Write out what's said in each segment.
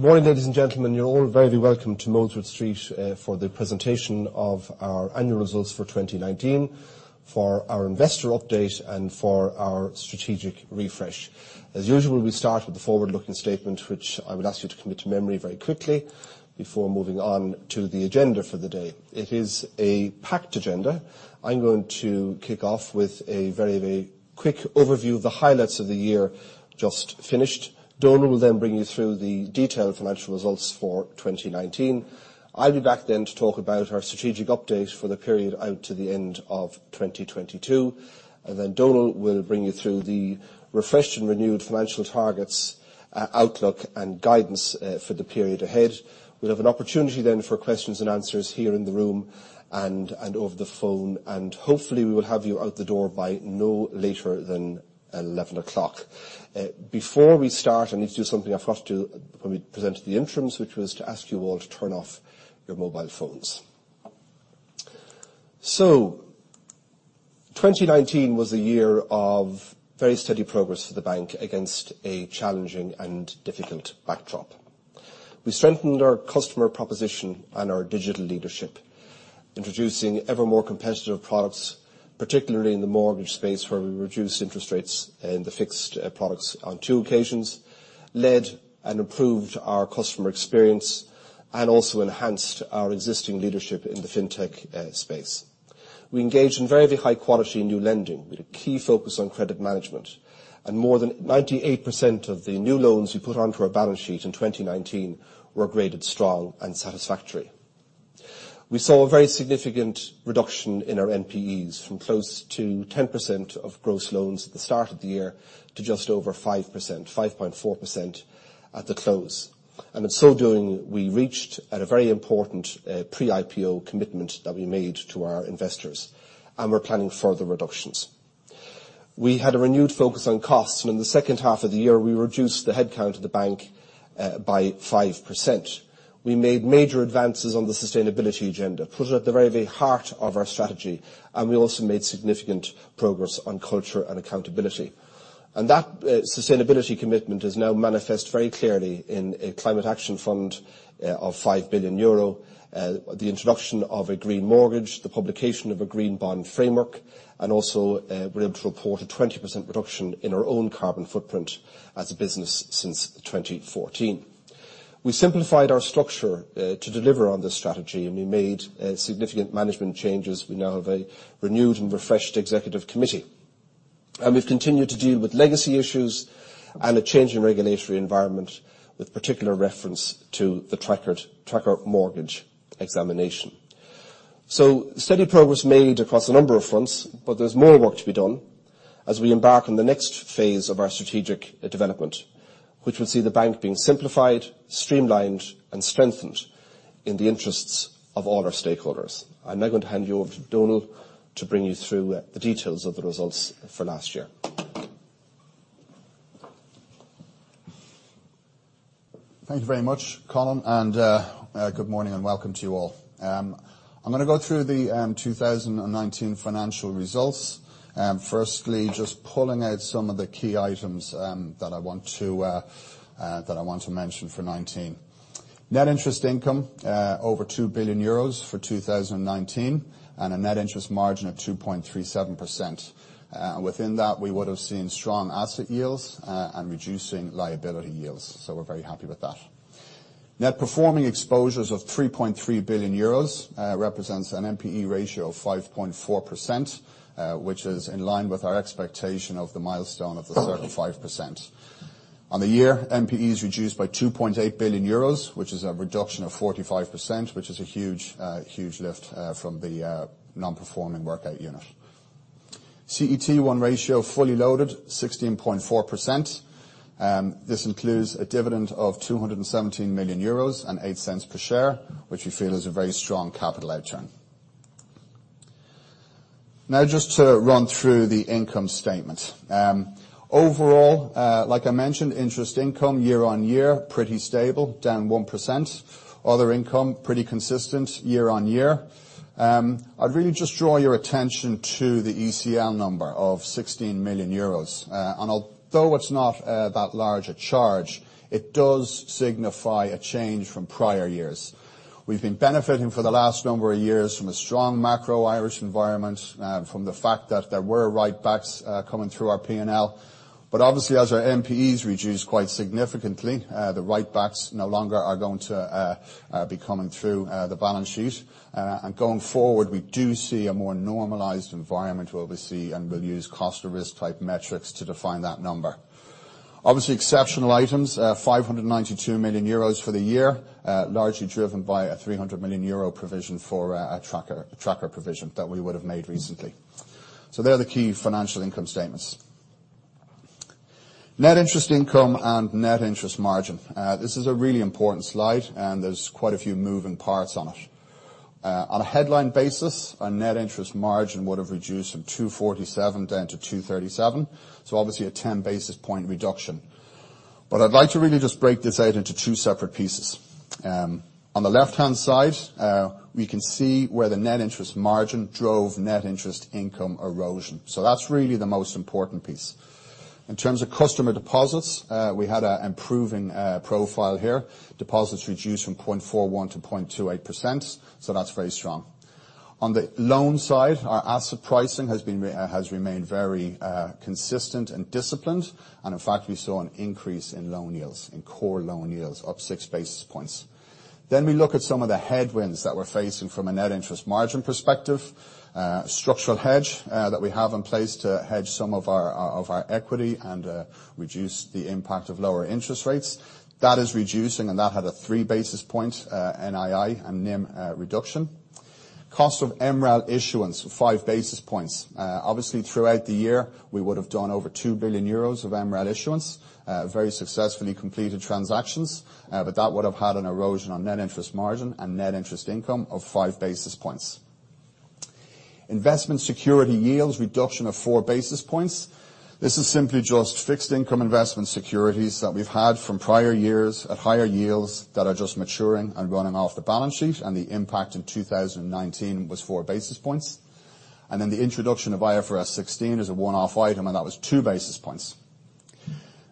Good morning, ladies and gentlemen. You're all very welcome to Molesworth Street for the presentation of our annual results for 2019, for our investor update, and for our strategic refresh. As usual, we start with the forward-looking statement, which I would ask you to commit to memory very quickly before moving on to the agenda for the day. It is a packed agenda. I'm going to kick off with a very, very quick overview of the highlights of the year just finished. Donal will then bring you through the detailed financial results for 2019. I'll be back then to talk about our strategic update for the period out to the end of 2022, and then Donal will bring you through the refreshed and renewed financial targets, outlook, and guidance for the period ahead. We'll have an opportunity then for questions and answers here in the room and over the phone. Hopefully we will have you out the door by no later than 11:00 A.M. Before we start, I need to do something I forgot to do when we presented the interims, which was to ask you all to turn off your mobile phones. 2019 was a year of very steady progress for the bank against a challenging and difficult backdrop. We strengthened our customer proposition and our digital leadership, introducing ever more competitive products, particularly in the mortgage space, where we reduced interest rates in the fixed products on two occasions, led and improved our customer experience, and also enhanced our existing leadership in the fintech space. We engaged in very high quality new lending with a key focus on credit management, and more than 98% of the new loans we put onto our balance sheet in 2019 were graded strong and satisfactory. We saw a very significant reduction in our NPEs, from close to 10% of gross loans at the start of the year to just over 5%, 5.4%, at the close. In so doing, we reached a very important pre-IPO commitment that we made to our investors, and we're planning further reductions. We had a renewed focus on costs, and in the second half of the year, we reduced the headcount of the bank by 5%. We made major advances on the sustainability agenda, put it at the very, very heart of our strategy, and we also made significant progress on culture and accountability. That sustainability commitment is now manifest very clearly in a Climate Action Fund of 5 billion euro, the introduction of a Green Mortgage, the publication of a Green Bond Framework, and also, we're able to report a 20% reduction in our own carbon footprint as a business since 2014. We simplified our structure to deliver on this strategy, and we made significant management changes. We now have a renewed and refreshed Executive Committee. We've continued to deal with legacy issues and a change in regulatory environment, with particular reference to the tracker mortgage examination. Steady progress made across a number of fronts, but there's more work to be done as we embark on the next phase of our strategic development, which will see the bank being simplified, streamlined, and strengthened in the interests of all our stakeholders. I'm now going to hand you over to Donal to bring you through the details of the results for last year. Thank you very much, Colin, and good morning and welcome to you all. I'm gonna go through the 2019 financial results. Firstly, just pulling out some of the key items that I want to mention for 2019. Net interest income, over 2 billion euros for 2019, and a net interest margin of 2.37%. Within that, we would've seen strong asset yields and reducing liability yields. We're very happy with that. Non-Performing Exposures of 3.3 billion euros represents an NPE ratio of 5.4%, which is in line with our expectation of the milestone of the sort of 5%. On the year, NPEs reduced by 2.8 billion euros, which is a reduction of 45%, which is a huge lift from the Financial Solutions Group. CET1 ratio fully loaded 16.4%, this includes a dividend of 217 million euros and 0.08 per share, which we feel is a very strong capital outturn. Now, just to run through the income statement. Overall, like I mentioned, interest income year-on-year, pretty stable, down 1%. Other income, pretty consistent year-on-year. I'd really just draw your attention to the ECL number of 16 million euros. And although it's not that large a charge, it does signify a change from prior years. We've been benefiting for the last number of years from a strong macro Irish environment, from the fact that there were write-backs coming through our P&L. Obviously, as our NPEs reduce quite significantly, the write-backs no longer are going to be coming through the balance sheet. Going forward, we do see a more normalized environment where we see and will use cost-to-risk type metrics to define that number. Obviously, exceptional items, 592 million euros for the year, largely driven by a 300 million euro provision for a tracker provision that we would've made recently. There are the key financial income statements. Net interest income and net interest margin. This is a really important slide, and there's quite a few moving parts on it. On a headline basis, our net interest margin would have reduced from 247 down to 237, so obviously a 10-basis point reduction. I'd like to really just break this out into two separate pieces. On the left-hand side, we can see where the net interest margin drove net interest income erosion. That's really the most important piece. In terms of customer deposits, we had an improving profile here. Deposits reduced from 0.41% to 0.28%, so that's very strong. On the loans side, our asset pricing has remained very consistent and disciplined, and in fact, we saw an increase in loan yields, in core loan yields, up 6 basis points. We look at some of the headwinds that we're facing from a net interest margin perspective. Structural hedge that we have in place to hedge some of our equity and reduce the impact of lower interest rates. That is reducing, and that had a three-basis point NII and NIM reduction. Cost of MREL issuance, 5 basis points. Obviously, throughout the year, we would have done over €2 billion of MREL issuance, very successfully completed transactions, but that would have had an erosion on net interest margin and net interest income of five basis points. Investment security yields reduction of four basis points. This is simply just fixed income investment securities that we've had from prior years at higher yields that are just maturing and running off the balance sheet, and the impact in 2019 was four basis points. The introduction of IFRS 16 as a one-off item, and that was two basis points.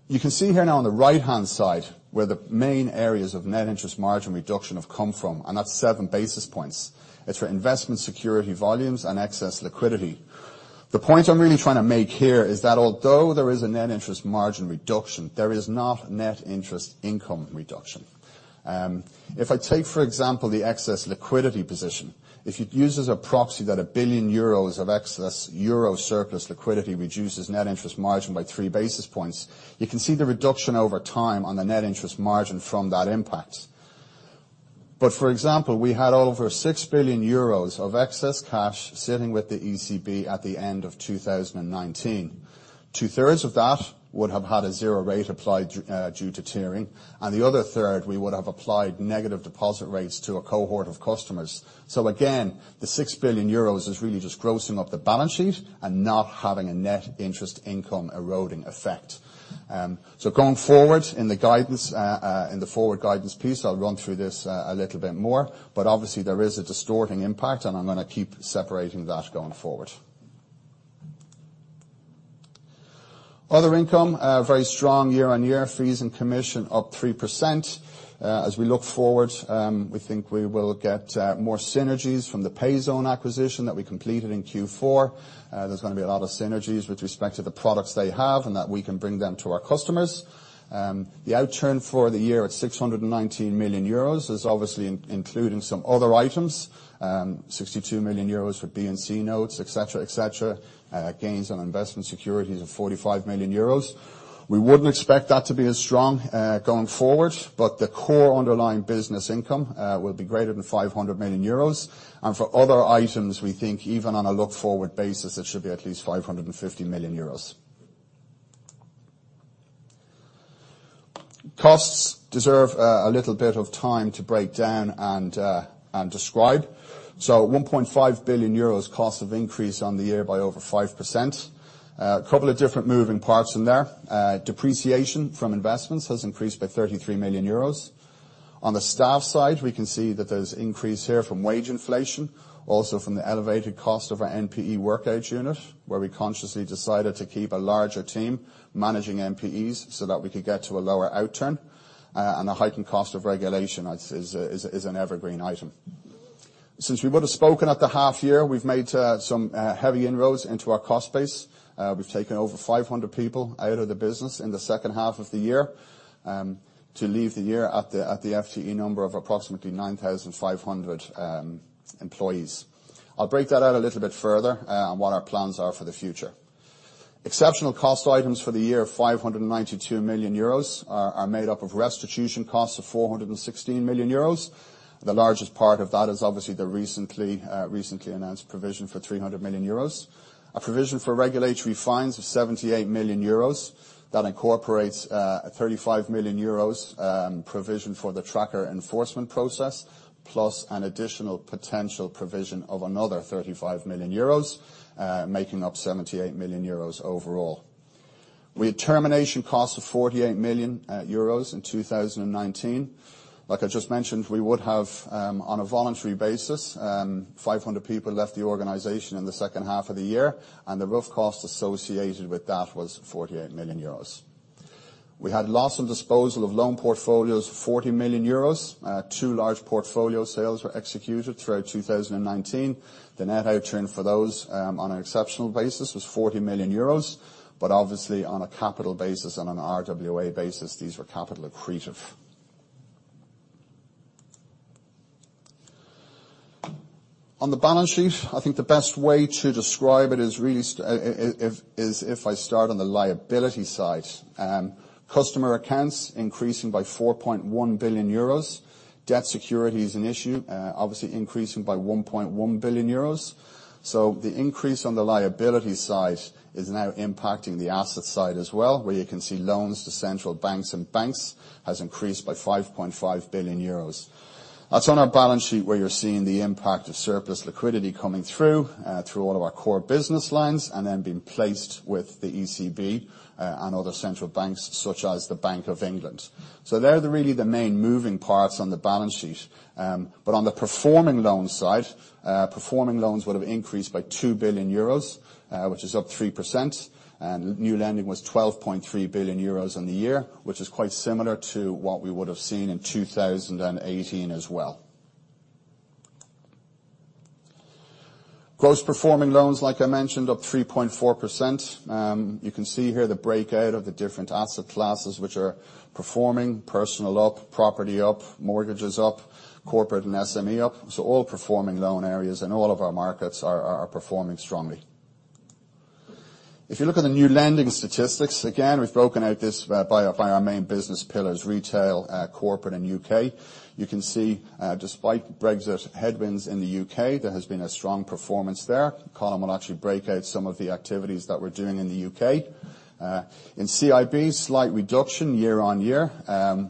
You can see here now on the right-hand side where the main areas of net interest margin reduction have come from, and that's seven basis points. It's for investment security volumes and excess liquidity. The point I'm really trying to make here is that although there is a net interest margin reduction, there is not net interest income reduction. If I take, for example, the excess liquidity position, if you'd use as a proxy that 1 billion euros of excess EUR surplus liquidity reduces net interest margin by three basis points, you can see the reduction over time on the net interest margin from that impact. For example, we had over 6 billion euros of excess cash sitting with the ECB at the end of 2019. Two-thirds of that would have had a zero rate applied due to Tiering, and the other third, we would have applied negative deposit rates to a cohort of customers. Again, the 6 billion euros is really just grossing up the balance sheet and not having a net interest income eroding effect. Going forward in the forward guidance piece, I'll run through this a little bit more, but obviously there is a distorting impact and I'm going to keep separating that going forward. Other income, very strong year-on-year. Fees and commission up 3%. As we look forward, we think we will get more synergies from the Payzone acquisition that we completed in Q4. There's going to be a lot of synergies with respect to the products they have and that we can bring them to our customers. The outturn for the year at 619 million euros is obviously including some other items. 62 million euros for B and C notes, et cetera. Gains on investment securities of 45 million euros. We wouldn't expect that to be as strong going forward, but the core underlying business income will be greater than 500 million euros. For other items, we think even on a look-forward basis, it should be at least 550 million euros. Costs deserve a little bit of time to break down and describe. 1.5 billion euros cost of increase on the year by over 5%. A couple of different moving parts in there. Depreciation from investments has increased by 33 million euros. On the staff side, we can see that there's increase here from wage inflation, also from the elevated cost of our NPE work out unit, where we consciously decided to keep a larger team managing NPEs so that we could get to a lower outturn. The hiking cost of regulation is an evergreen item. Since we would've spoken at the half year, we've made some heavy inroads into our cost base. We've taken over 500 people out of the business in the second half of the year to leave the year at the FTE number of approximately 9,500 employees. I'll break that out a little bit further on what our plans are for the future. Exceptional cost items for the year of 592 million euros are made up of restitution costs of 416 million euros. The largest part of that is obviously the recently announced provision for 300 million euros. A provision for regulatory fines of 78 million euros. That incorporates a 35 million euros provision for the tracker enforcement process, plus an additional potential provision of another 35 million euros, making up 78 million euros overall. We had termination costs of 48 million euros in 2019. Like I just mentioned, we would have on a voluntary basis, 500 people left the organization in the second half of the year, and the rough cost associated with that was 48 million euros. We had loss on disposal of loan portfolios, 40 million euros. Two large portfolio sales were executed throughout 2019. The net outturn for those, on an exceptional basis, was 40 million euros. Obviously, on a capital basis and an RWA basis, these were capital accretive. On the balance sheet, I think the best way to describe it is if I start on the liability side. Customer accounts increasing by 4.1 billion euros. Debt securities in issue, obviously increasing by 1.1 billion euros. The increase on the liability side is now impacting the asset side as well, where you can see loans to central banks and banks has increased by 5.5 billion euros. That's on our balance sheet where you're seeing the impact of surplus liquidity coming through all of our core business lines, and then being placed with the ECB, and other central banks such as the Bank of England. They're really the main moving parts on the balance sheet. On the performing loan side, performing loans would have increased by 2 billion euros, which is up 3%, and new lending was 12.3 billion euros in the year, which is quite similar to what we would have seen in 2018 as well. Gross performing loans, like I mentioned, up 3.4%. You can see here the breakout of the different asset classes, which are performing. Personal up, property up, mortgages up, corporate and SME up. All performing loan areas in all of our markets are performing strongly. If you look at the new lending statistics, again, we've broken out this by our main business pillars, retail, corporate, and U.K. You can see, despite Brexit headwinds in the U.K., there has been a strong performance there. Colin will actually break out some of the activities that we're doing in the U.K. In CIB, slight reduction year-on-year.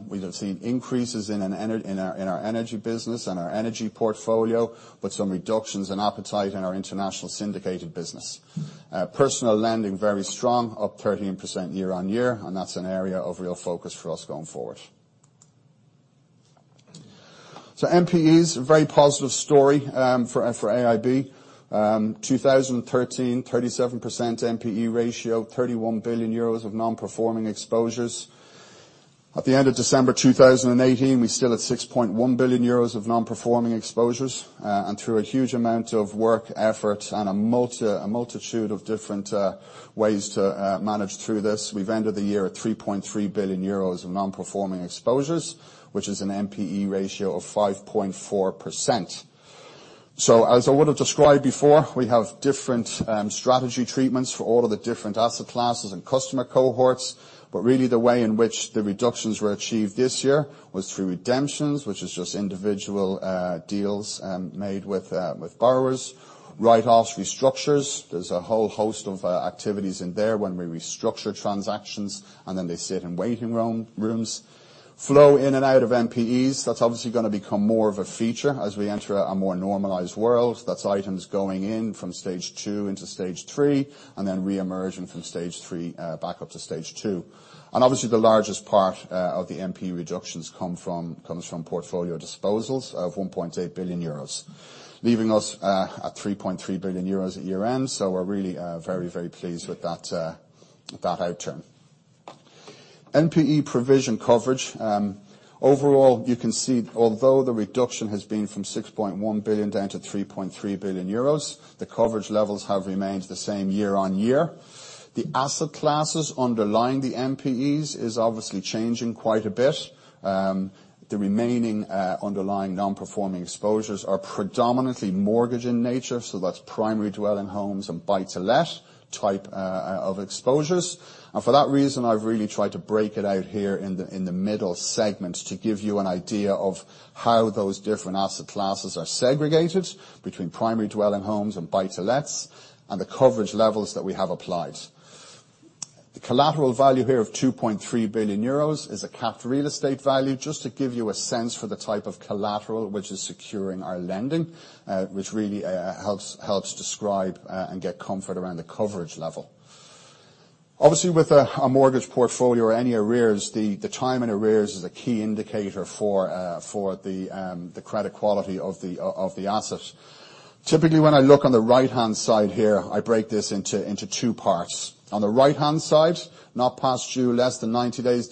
We have seen increases in our energy business and our energy portfolio, some reductions in appetite in our international syndicated business. Personal lending very strong, up 13% year-on-year, that's an area of real focus for us going forward. NPEs, a very positive story for AIB. 2013, 37% NPE ratio, 31 billion euros of non-performing exposures. At the end of December 2018, we still had 6.1 billion euros of non-performing exposures, and through a huge amount of work, effort, and a multitude of different ways to manage through this, we've ended the year at 3.3 billion euros of non-performing exposures, which is an NPE ratio of 5.4%. As I would have described before, we have different strategy treatments for all of the different asset classes and customer cohorts. Really the way in which the reductions were achieved this year was through redemptions, which is just individual deals made with borrowers. Write-offs, restructures, there's a whole host of activities in there when we restructure transactions, and then they sit in waiting rooms. Flow in and out of NPEs, that's obviously going to become more of a feature as we enter a more normalized world. That's items going in from stage 2 into stage 3, and then reemerging from stage 3 back up to stage 2. Obviously, the largest part of the NPE reductions comes from portfolio disposals of 1.8 billion euros, leaving us at 3.3 billion euros at year-end. We're really very, very pleased with that outturn. NPE provision coverage. Overall, you can see, although the reduction has been from 6.1 billion down to 3.3 billion euros, the coverage levels have remained the same year on year. The asset classes underlying the NPEs is obviously changing quite a bit. The remaining underlying non-performing exposures are predominantly mortgage in nature, so that's primary dwelling homes and buy-to-let type of exposures. For that reason, I've really tried to break it out here in the middle segment to give you an idea of how those different asset classes are segregated between primary dwelling homes and buy-to-lets, and the coverage levels that we have applied. The collateral value here of 2.3 billion euros is a capped real estate value, just to give you a sense for the type of collateral which is securing our lending, which really helps describe and get comfort around the coverage level. Obviously, with a mortgage portfolio or any arrears, the time in arrears is a key indicator for the credit quality of the asset. Typically, when I look on the right-hand side here, I break this into two parts. On the right-hand side, not past due, less than 90 days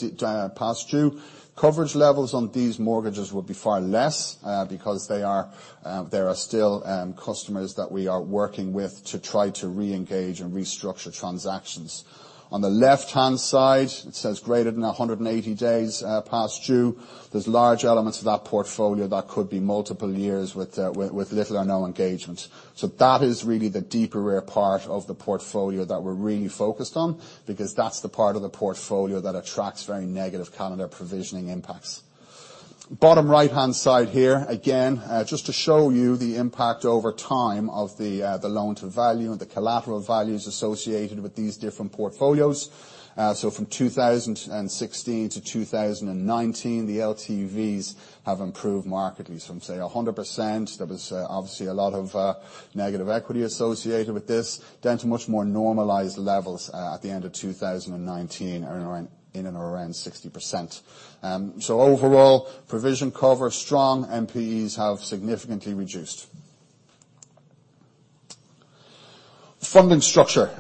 past due. Coverage levels on these mortgages would be far less, because there are still customers that we are working with to try to reengage and restructure transactions. On the left-hand side, it says greater than 180 days past due. There's large elements of that portfolio that could be multiple years with little or no engagement. That is really the deeper rear part of the portfolio that we're really focused on, because that's the part of the portfolio that attracts very negative calendar provisioning impacts. Bottom right-hand side here, again, just to show you the impact over time of the loan-to-value and the collateral values associated with these different portfolios. From 2016 to 2019, the LTVs have improved markedly from, say, 100%, there was obviously a lot of negative equity associated with this, down to much more normalized levels at the end of 2019, in and around 60%. Overall, provision cover strong, NPEs have significantly reduced. Funding structure.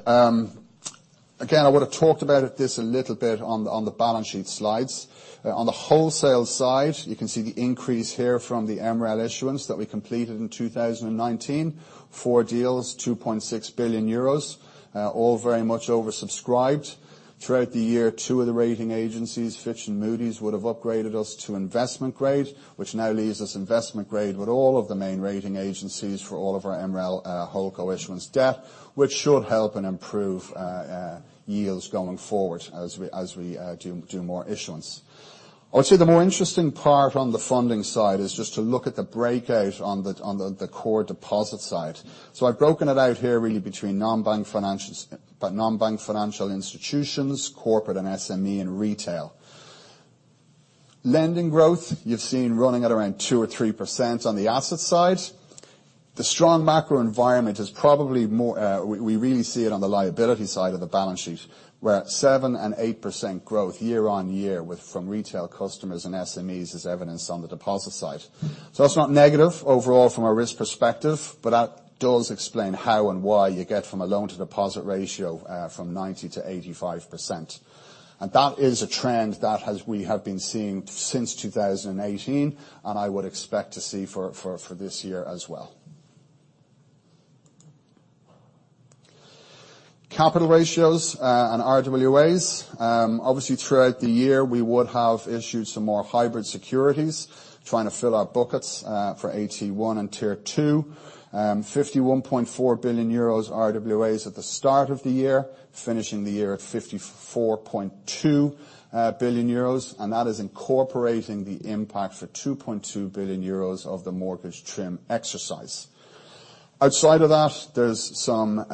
Again, I would have talked about this a little bit on the balance sheet slides. On the wholesale side, you can see the increase here from the MREL issuance that we completed in 2019. Four deals, €2.6 billion, all very much oversubscribed. Throughout the year, two of the rating agencies, Fitch and Moody's, would have upgraded us to investment grade, which now leaves us investment grade with all of the main rating agencies for all of our MREL CoCo issuance debt, which should help and improve yields going forward as we do more issuance. I would say the more interesting part on the funding side is just to look at the breakout on the core deposit side. I've broken it out here really between non-bank financial institutions, corporate and SME, and retail. Lending growth, you've seen running at around 2% or 3% on the asset side. The strong macro environment is probably we really see it on the liability side of the balance sheet, where 7% and 8% growth year-on-year from retail customers and SMEs is evidenced on the deposit side. That's not negative overall from a risk perspective, but that does explain how and why you get from a loan-to-deposit ratio from 90% to 85%. That is a trend that we have been seeing since 2018, and I would expect to see for this year as well. Capital ratios and RWAs. Obviously, throughout the year, we would have issued some more hybrid securities trying to fill our buckets for AT1 and Tier 2. 51.4 billion euros RWAs at the start of the year, finishing the year at 54.2 billion euros, and that is incorporating the impact for 2.2 billion euros of the mortgage TRIM exercise. Outside of that, there's some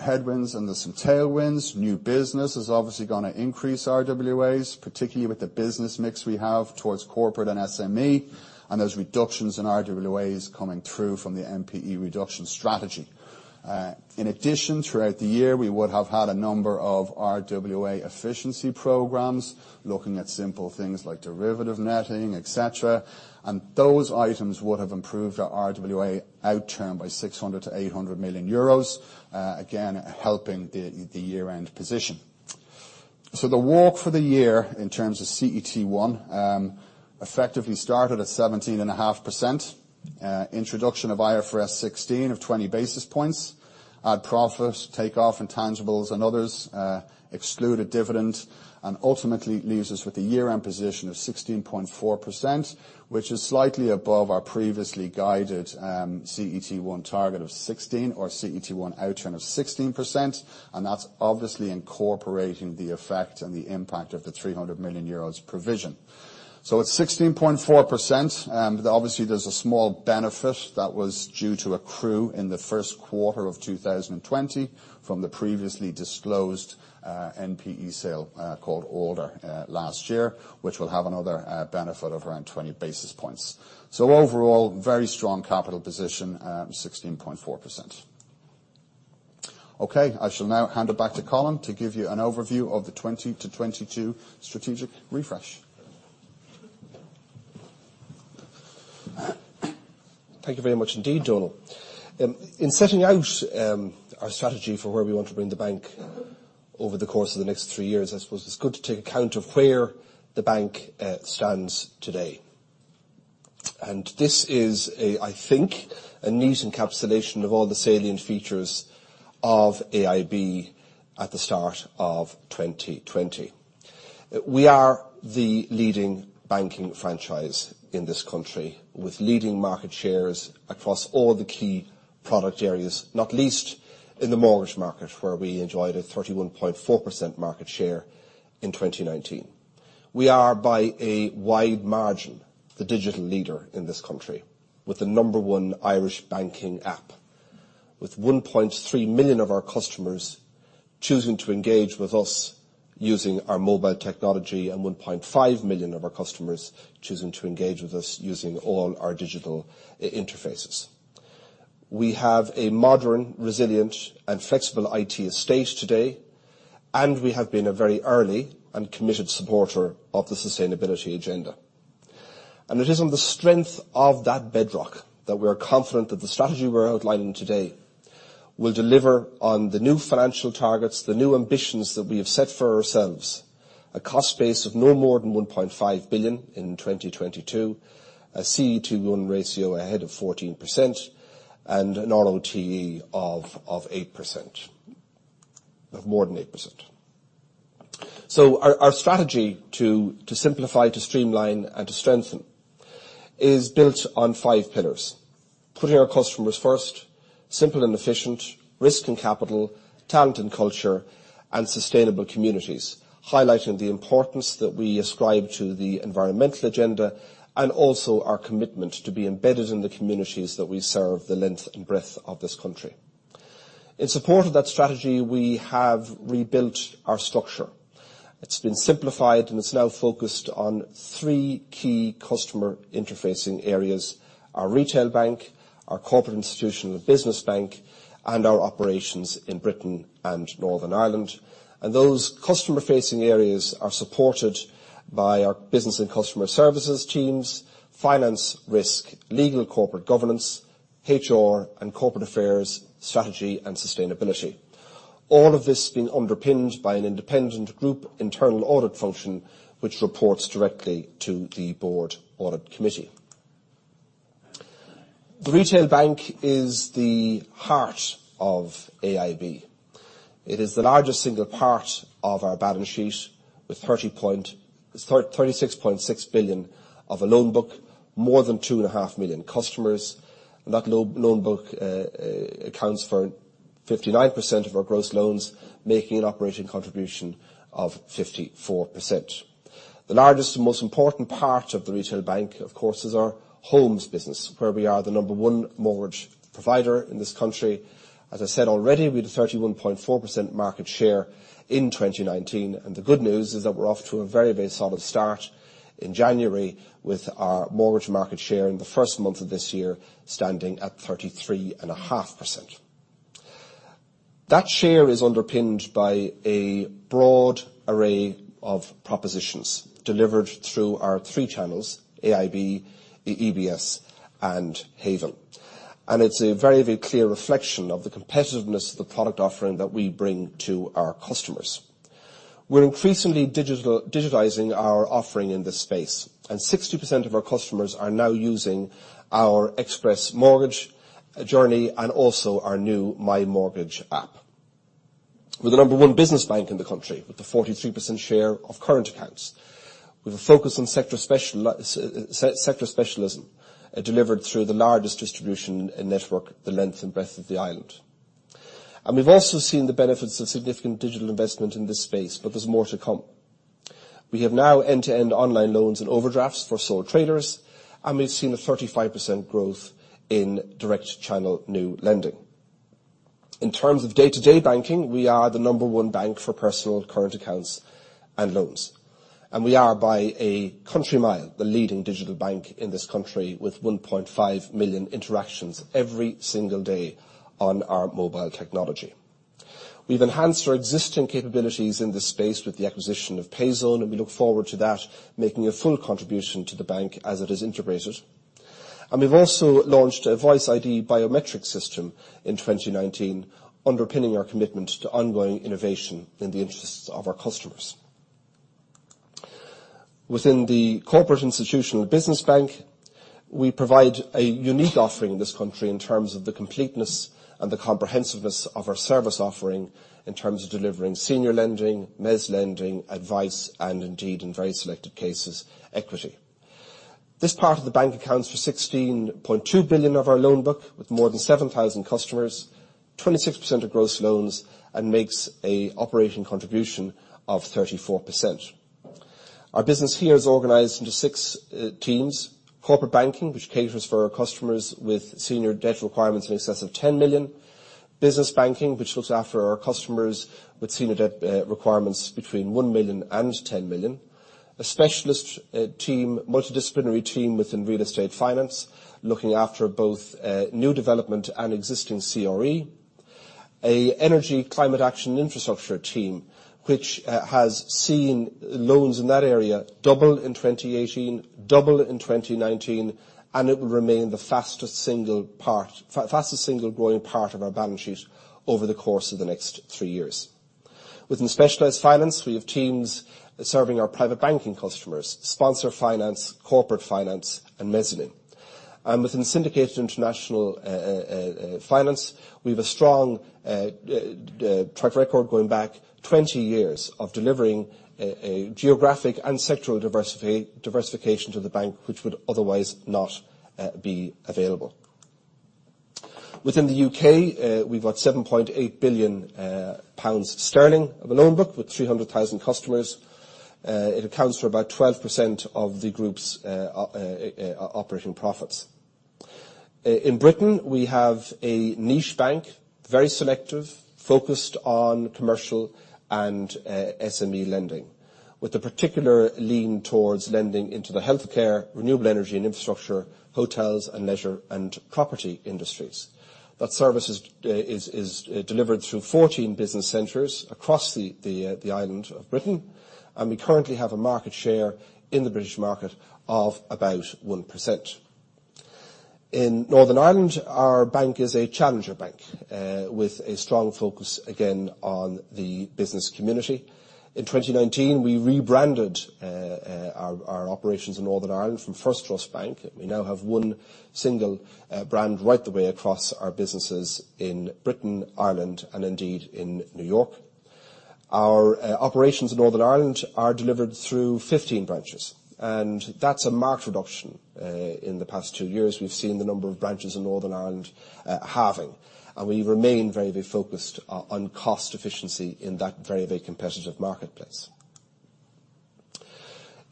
headwinds and there's some tailwinds. New business is obviously going to increase RWAs, particularly with the business mix we have towards corporate and SME, and there's reductions in RWAs coming through from the NPE reduction strategy. In addition, throughout the year, we would have had a number of RWA efficiency programs, looking at simple things like derivative netting, et cetera, and those items would have improved our RWA outturn by 600 million-800 million euros, again, helping the year-end position. The walk for the year in terms of CET1 effectively started at 17.5%. Introduction of IFRS 16 of 20 basis points. Add profit, take off intangibles and others, exclude a dividend, and ultimately leaves us with a year-end position of 16.4%, which is slightly above our previously guided CET1 target of 16%, or CET1 outturn of 16%. That's obviously incorporating the effect and the impact of the 300 million euros provision. At 16.4%, obviously there's a small benefit that was due to accrue in the first quarter of 2020 from the previously disclosed NPE sale, called Project Alder last year, which will have another benefit of around 20 basis points. Overall, very strong capital position at 16.4%. Okay, I shall now hand it back to Colin to give you an overview of the 2020 to 2022 strategic refresh. Thank you very much indeed, Donal. In setting out our strategy for where we want to bring the bank over the course of the next three years, I suppose it's good to take account of where the bank stands today. This is, I think, a neat encapsulation of all the salient features of AIB at the start of 2020. We are the leading banking franchise in this country, with leading market shares across all the key product areas, not least in the mortgage market, where we enjoyed a 31.4% market share in 2019. We are, by a wide margin, the digital leader in this country, with the number one Irish banking app, with 1.3 million of our customers choosing to engage with us using our mobile technology, and 1.5 million of our customers choosing to engage with us using all our digital interfaces. We have a modern, resilient, and flexible IT estate today. We have been a very early and committed supporter of the sustainability agenda. It is on the strength of that bedrock that we are confident that the strategy we are outlining today will deliver on the new financial targets, the new ambitions that we have set for ourselves, a cost base of no more than 1.5 billion in 2022, a CET1 to loan ratio ahead of 14%, and an ROTE of more than 8%. Our strategy to simplify, to streamline, and to strengthen is built on five pillars: putting our customers first, simple and efficient, risk and capital, talent and culture, and sustainable communities, highlighting the importance that we ascribe to the environmental agenda, and also our commitment to be embedded in the communities that we serve the length and breadth of this country. In support of that strategy, we have rebuilt our structure. It has been simplified, and it is now focused on 3 key customer-interfacing areas, our Retail Bank, our Corporate Institutional Business Bank, and our Operations in Britain and Northern Ireland. Those customer-facing areas are supported by our business and customer services teams, finance, risk, legal, corporate governance, HR, and corporate affairs, strategy, and sustainability. All of this being underpinned by an independent group internal audit function, which reports directly to the board audit committee. The Retail Bank is the heart of AIB. It is the largest single part of our balance sheet, with 36.6 billion of a loan book, more than 2.5 million customers. That loan book accounts for 59% of our gross loans, making an operating contribution of 54%. The largest and most important part of the retail bank, of course, is our homes business, where we are the number one mortgage provider in this country. As I said already, we did 31.4% market share in 2019, the good news is that we're off to a very solid start in January with our mortgage market share in the first month of this year standing at 33.5%. That share is underpinned by a broad array of propositions delivered through our three channels, AIB, EBS, and Haven. It's a very clear reflection of the competitiveness of the product offering that we bring to our customers. We're increasingly digitalizing our offering in this space, 60% of our customers are now using our Express Mortgage journey and also our new MyMortgage app. We're the number one business bank in the country with a 43% share of current accounts, with a focus on sector specialism, delivered through the largest distribution network the length and breadth of the island. We've also seen the benefits of significant digital investment in this space, but there's more to come. We have now end-to-end online loans and overdrafts for sole traders, and we've seen a 35% growth in direct channel new lending. In terms of day-to-day banking, we are the number one bank for personal current accounts and loans. We are, by a country mile, the leading digital bank in this country, with 1.5 million interactions every single day on our mobile technology. We've enhanced our existing capabilities in this space with the acquisition of Payzone, and we look forward to that making a full contribution to the bank as it is integrated. We've also launched a Voice ID biometric system in 2019, underpinning our commitment to ongoing innovation in the interests of our customers. Within the corporate institutional business bank, we provide a unique offering in this country in terms of the completeness and the comprehensiveness of our service offering, in terms of delivering senior lending, mezz lending, advice, and indeed, in very selective cases, equity. This part of the bank accounts for 16.2 billion of our loan book, with more than 7,000 customers, 26% of gross loans, and makes a operating contribution of 34%. Our business here is organized into six teams. Corporate banking, which caters for our customers with senior debt requirements in excess of 10 million. Business banking, which looks after our customers with senior debt requirements between 1 million and 10 million. A specialist team, multidisciplinary team within real estate finance, looking after both new development and existing CRE. A energy climate action infrastructure team, which has seen loans in that area double in 2018, double in 2019, and it will remain the fastest single growing part of our balance sheet over the course of the next three years. Within specialized finance, we have teams serving our private banking customers, sponsor finance, corporate finance, and mezzanine. Within syndicated international finance, we've a strong track record going back 20 years of delivering a geographic and sectoral diversification to the bank, which would otherwise not be available. Within the U.K., we've got 7.8 billion pounds of a loan book, with 300,000 customers. It accounts for about 12% of the group's operating profits. In Britain, we have a niche bank, very selective, focused on commercial and SME lending, with a particular lean towards lending into the healthcare, renewable energy and infrastructure, hotels, and leisure and property industries. That service is delivered through 14 business centers across the island of Britain, and we currently have a market share in the British market of about 1%. In Northern Ireland, our bank is a challenger bank, with a strong focus, again, on the business community. In 2019, we rebranded our operations in Northern Ireland from First Trust Bank. We now have one single brand right the way across our businesses in Britain, Ireland, and indeed in New York. Our operations in Northern Ireland are delivered through 15 branches, and that's a marked reduction. In the past two years, we've seen the number of branches in Northern Ireland halving. We remain very focused on cost efficiency in that very competitive marketplace.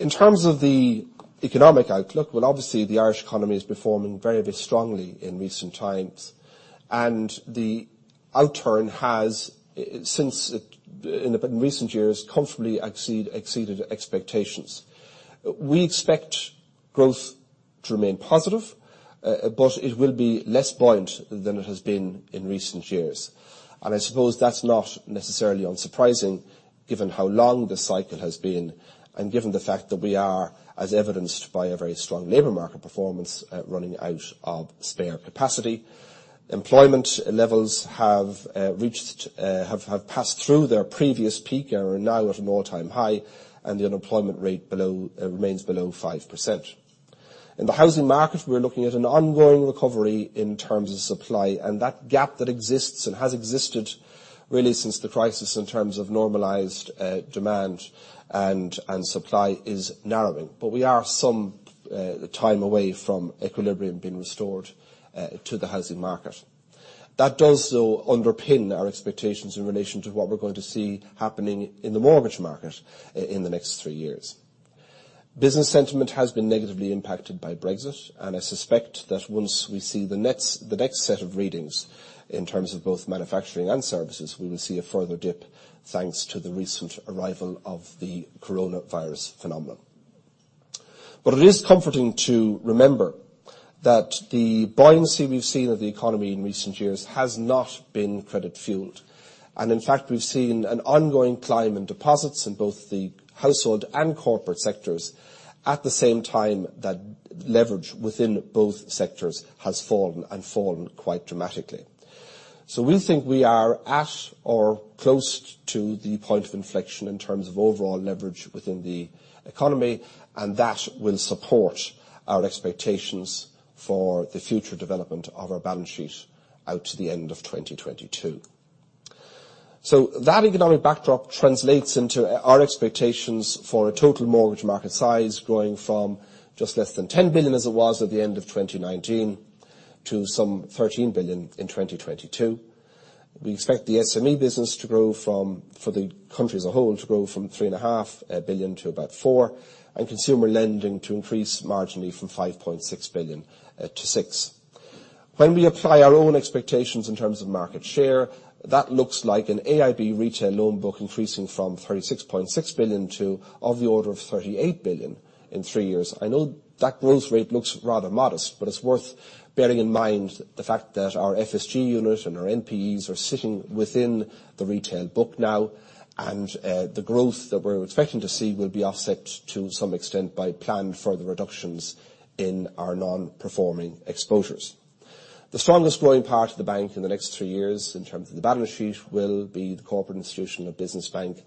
In terms of the economic outlook, well, obviously, the Irish economy is performing very strongly in recent times. The outturn has, in recent years, comfortably exceeded expectations. We expect growth to remain positive, but it will be less buoyant than it has been in recent years. I suppose that's not necessarily unsurprising given how long this cycle has been and given the fact that we are, as evidenced by a very strong labor market performance, running out of spare capacity. Employment levels have passed through their previous peak and are now at an all-time high. The unemployment rate remains below 5%. In the housing market, we're looking at an ongoing recovery in terms of supply, and that gap that exists, and has existed really since the crisis in terms of normalized demand and supply is narrowing. We are some time away from equilibrium being restored to the housing market. That does, though, underpin our expectations in relation to what we're going to see happening in the mortgage market in the next three years. Business sentiment has been negatively impacted by Brexit, and I suspect that once we see the next set of readings in terms of both manufacturing and services, we will see a further dip, thanks to the recent arrival of the coronavirus phenomenon. It is comforting to remember that the buoyancy we've seen of the economy in recent years has not been credit-fueled. In fact, we've seen an ongoing climb in deposits in both the household and corporate sectors at the same time that leverage within both sectors has fallen, and fallen quite dramatically. We think we are at or close to the point of inflection in terms of overall leverage within the economy, and that will support our expectations for the future development of our balance sheet out to the end of 2022. That economic backdrop translates into our expectations for a total mortgage market size growing from just less than 10 billion as it was at the end of 2019 to some 13 billion in 2022. We expect the SME business, for the country as a whole, to grow from three and a half billion to about four billion, and consumer lending to increase marginally from 5.6 billion-6 billion. When we apply our own expectations in terms of market share, that looks like an AIB retail loan book increasing from 36.6 billion to of the order of 38 billion in three years. I know that growth rate looks rather modest, but it's worth bearing in mind the fact that our FSG unit and our NPEs are sitting within the retail book now, and the growth that we're expecting to see will be offset to some extent by planned further reductions in our non-performing exposures. The strongest growing part of the bank in the next three years, in terms of the balance sheet, will be the corporate institutional business bank,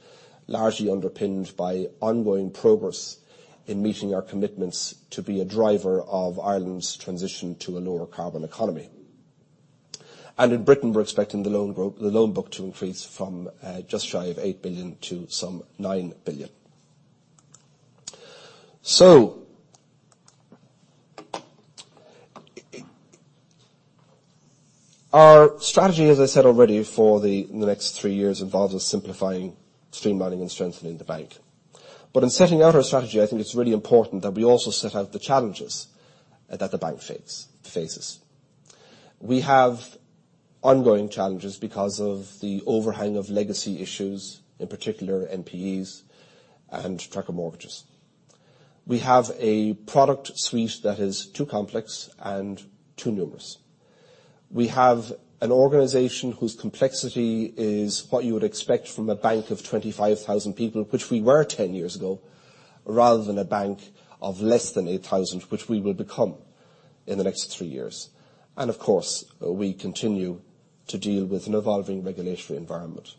largely underpinned by ongoing progress in meeting our commitments to be a driver of Ireland's transition to a lower carbon economy. In the U.K., we're expecting the loan book to increase from just shy of 8 billion to some 9 billion. Our strategy, as I said already, for the next three years involves us simplifying, streamlining, and strengthening the bank. In setting out our strategy, I think it's really important that we also set out the challenges that the bank faces. We have ongoing challenges because of the overhang of legacy issues, in particular NPEs and tracker mortgages. We have a product suite that is too complex and too numerous. We have an organization whose complexity is what you would expect from a bank of 25,000 people, which we were 10 years ago, rather than a bank of less than 8,000, which we will become in the next three years. Of course, we continue to deal with an evolving regulatory environment.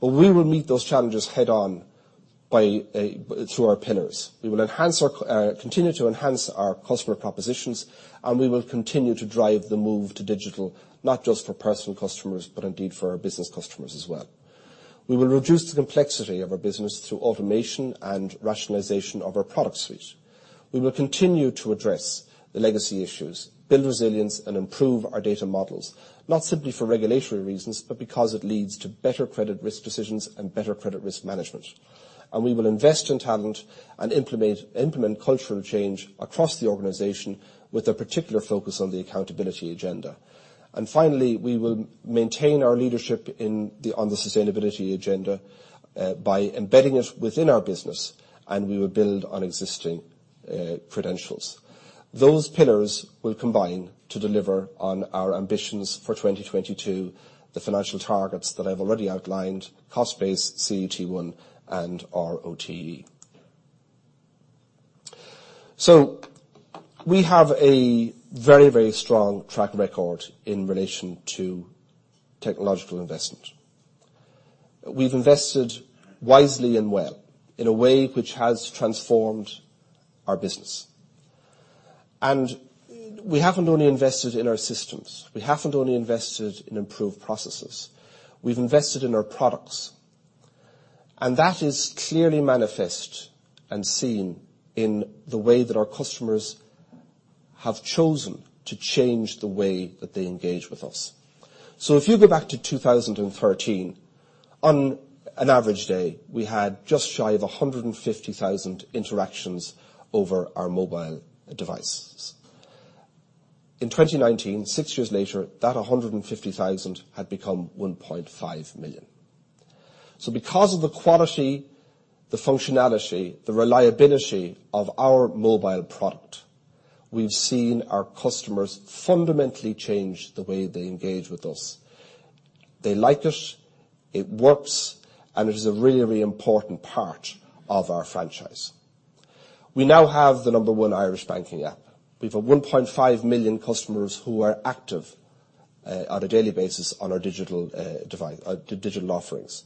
We will meet those challenges head-on through our pillars. We will continue to enhance our customer propositions, and we will continue to drive the move to digital, not just for personal customers, but indeed for our business customers as well. We will reduce the complexity of our business through automation and rationalization of our product suite. We will continue to address the legacy issues, build resilience, and improve our data models, not simply for regulatory reasons, but because it leads to better credit risk decisions and better credit risk management. We will invest in talent and implement cultural change across the organization with a particular focus on the accountability agenda. Finally, we will maintain our leadership on the sustainability agenda by embedding it within our business, and we will build on existing credentials. Those pillars will combine to deliver on our ambitions for 2022, the financial targets that I've already outlined, cost base, CET1, and ROTE. We have a very, very strong track record in relation to technological investment. We've invested wisely and well in a way which has transformed our business. We haven't only invested in our systems. We haven't only invested in improved processes. We've invested in our products. That is clearly manifest and seen in the way that our customers have chosen to change the way that they engage with us. If you go back to 2013, on an average day, we had just shy of 150,000 interactions over our mobile devices. In 2019, six years later, that 150,000 had become 1.5 million. Because of the quality, the functionality, the reliability of our mobile product, we've seen our customers fundamentally change the way they engage with us. They like it works, and it is a really, really important part of our franchise. We now have the number 1 Irish banking app. We've 1.5 million customers who are active on a daily basis on our digital offerings.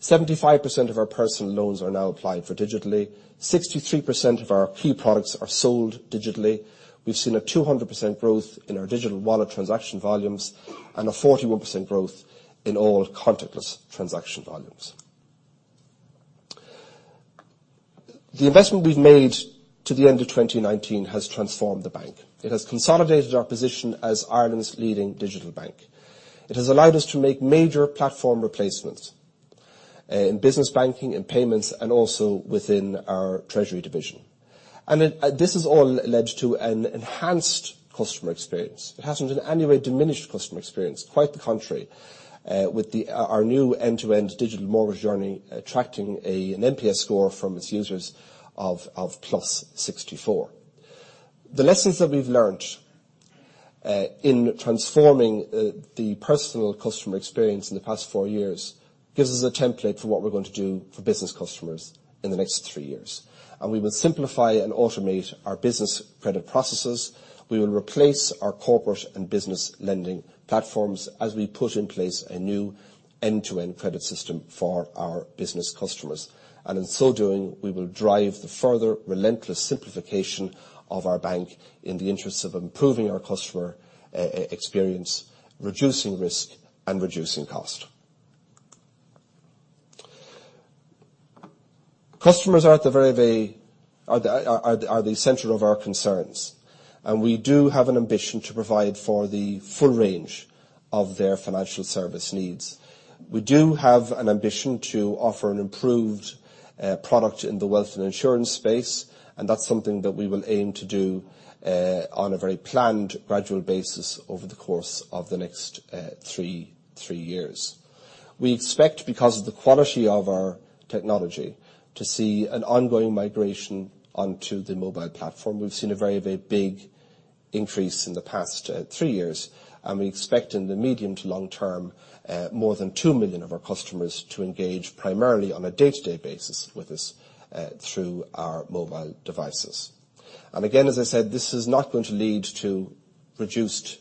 75% of our personal loans are now applied for digitally. 63% of our key products are sold digitally. We've seen a 200% growth in our digital wallet transaction volumes and a 41% growth in all contactless transaction volumes. The investment we've made to the end of 2019 has transformed the bank. It has consolidated our position as Ireland's leading digital bank. It has allowed us to make major platform replacements in business banking, in payments, and also within our treasury division. This has all led to an enhanced customer experience. It hasn't in any way diminished customer experience, quite the contrary, with our new end-to-end digital mortgage journey attracting an NPS score from its users of plus 64. The lessons that we've learned in transforming the personal customer experience in the past four years gives us a template for what we're going to do for business customers in the next three years. We will simplify and automate our business credit processes. We will replace our corporate and business lending platforms as we put in place a new end-to-end credit system for our business customers. In so doing, we will drive the further relentless simplification of our bank in the interest of improving our customer experience, reducing risk, and reducing cost. Customers are at the center of our concerns, and we do have an ambition to provide for the full range of their financial service needs. We do have an ambition to offer an improved product in the wealth and insurance space, and that's something that we will aim to do on a very planned, gradual basis over the course of the next three years. We expect, because of the quality of our technology, to see an ongoing migration onto the mobile platform. We've seen a very big increase in the past three years, and we expect in the medium to long term, more than 2 million of our customers to engage primarily on a day-to-day basis with us through our mobile devices. Again, as I said, this is not going to lead to reduced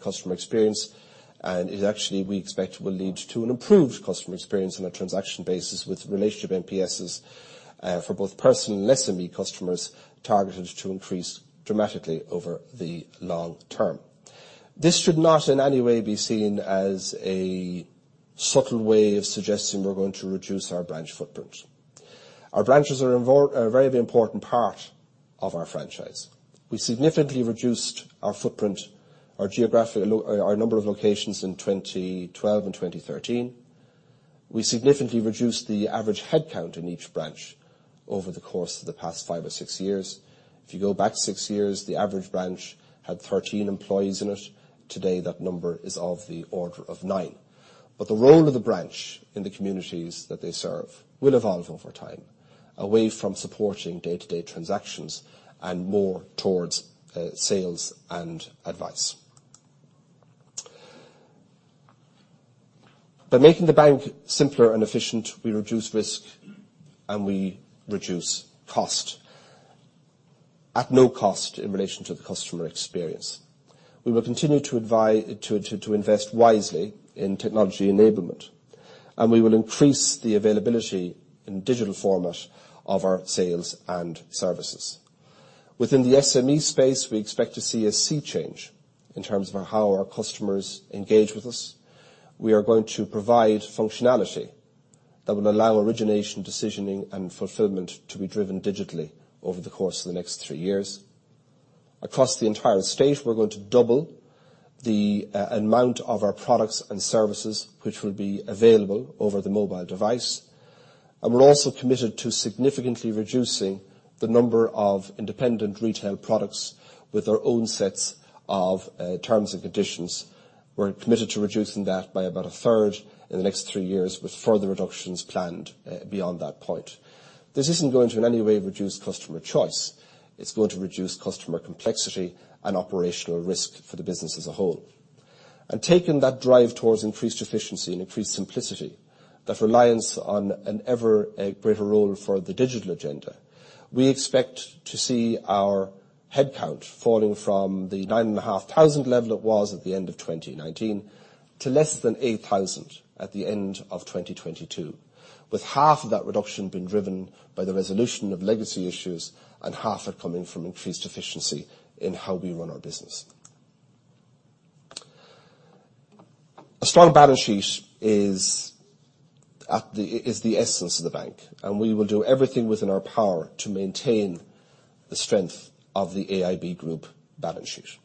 customer experience, and it actually, we expect, will lead to an improved customer experience on a transaction basis with relationship NPSs for both personal and SME customers targeted to increase dramatically over the long term. This should not in any way be seen as a subtle way of suggesting we're going to reduce our branch footprint. Our branches are a very important part of our franchise. We significantly reduced our footprint, our number of locations in 2012 and 2013. We significantly reduced the average headcount in each branch over the course of the past five or six years. If you go back six years, the average branch had 13 employees in it. Today, that number is of the order of nine. The role of the branch in the communities that they serve will evolve over time, away from supporting day-to-day transactions and more towards sales and advice. By making the bank simpler and efficient, we reduce risk and we reduce cost, at no cost in relation to the customer experience. We will continue to invest wisely in technology enablement, and we will increase the availability in digital format of our sales and services. Within the SME space, we expect to see a sea change in terms of how our customers engage with us. We are going to provide functionality that will allow origination, decisioning, and fulfillment to be driven digitally over the course of the next three years. Across the entire state, we're going to double the amount of our products and services which will be available over the mobile device. We're also committed to significantly reducing the number of independent retail products with their own sets of terms and conditions. We're committed to reducing that by about a third in the next three years, with further reductions planned beyond that point. This isn't going to in any way reduce customer choice. It's going to reduce customer complexity and operational risk for the business as a whole. Taking that drive towards increased efficiency and increased simplicity, that reliance on an ever greater role for the digital agenda, we expect to see our headcount falling from the 9,500 level it was at the end of 2019 to less than 8,000 at the end of 2022, with half of that reduction being driven by the resolution of legacy issues and half it coming from increased efficiency in how we run our business. A strong balance sheet is the essence of the bank, and we will do everything within our power to maintain the strength of the AIB Group balance sheet.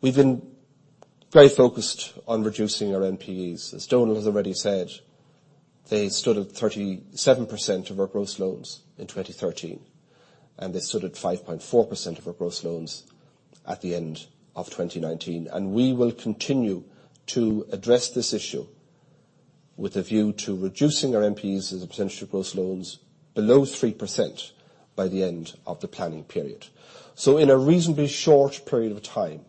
We've been very focused on reducing our NPEs. As Donal has already said, they stood at 37% of our gross loans in 2013, and they stood at 5.4% of our gross loans at the end of 2019. We will continue to address this issue with a view to reducing our NPEs as a potential to gross loans below 3% by the end of the planning period. In a reasonably short period of time,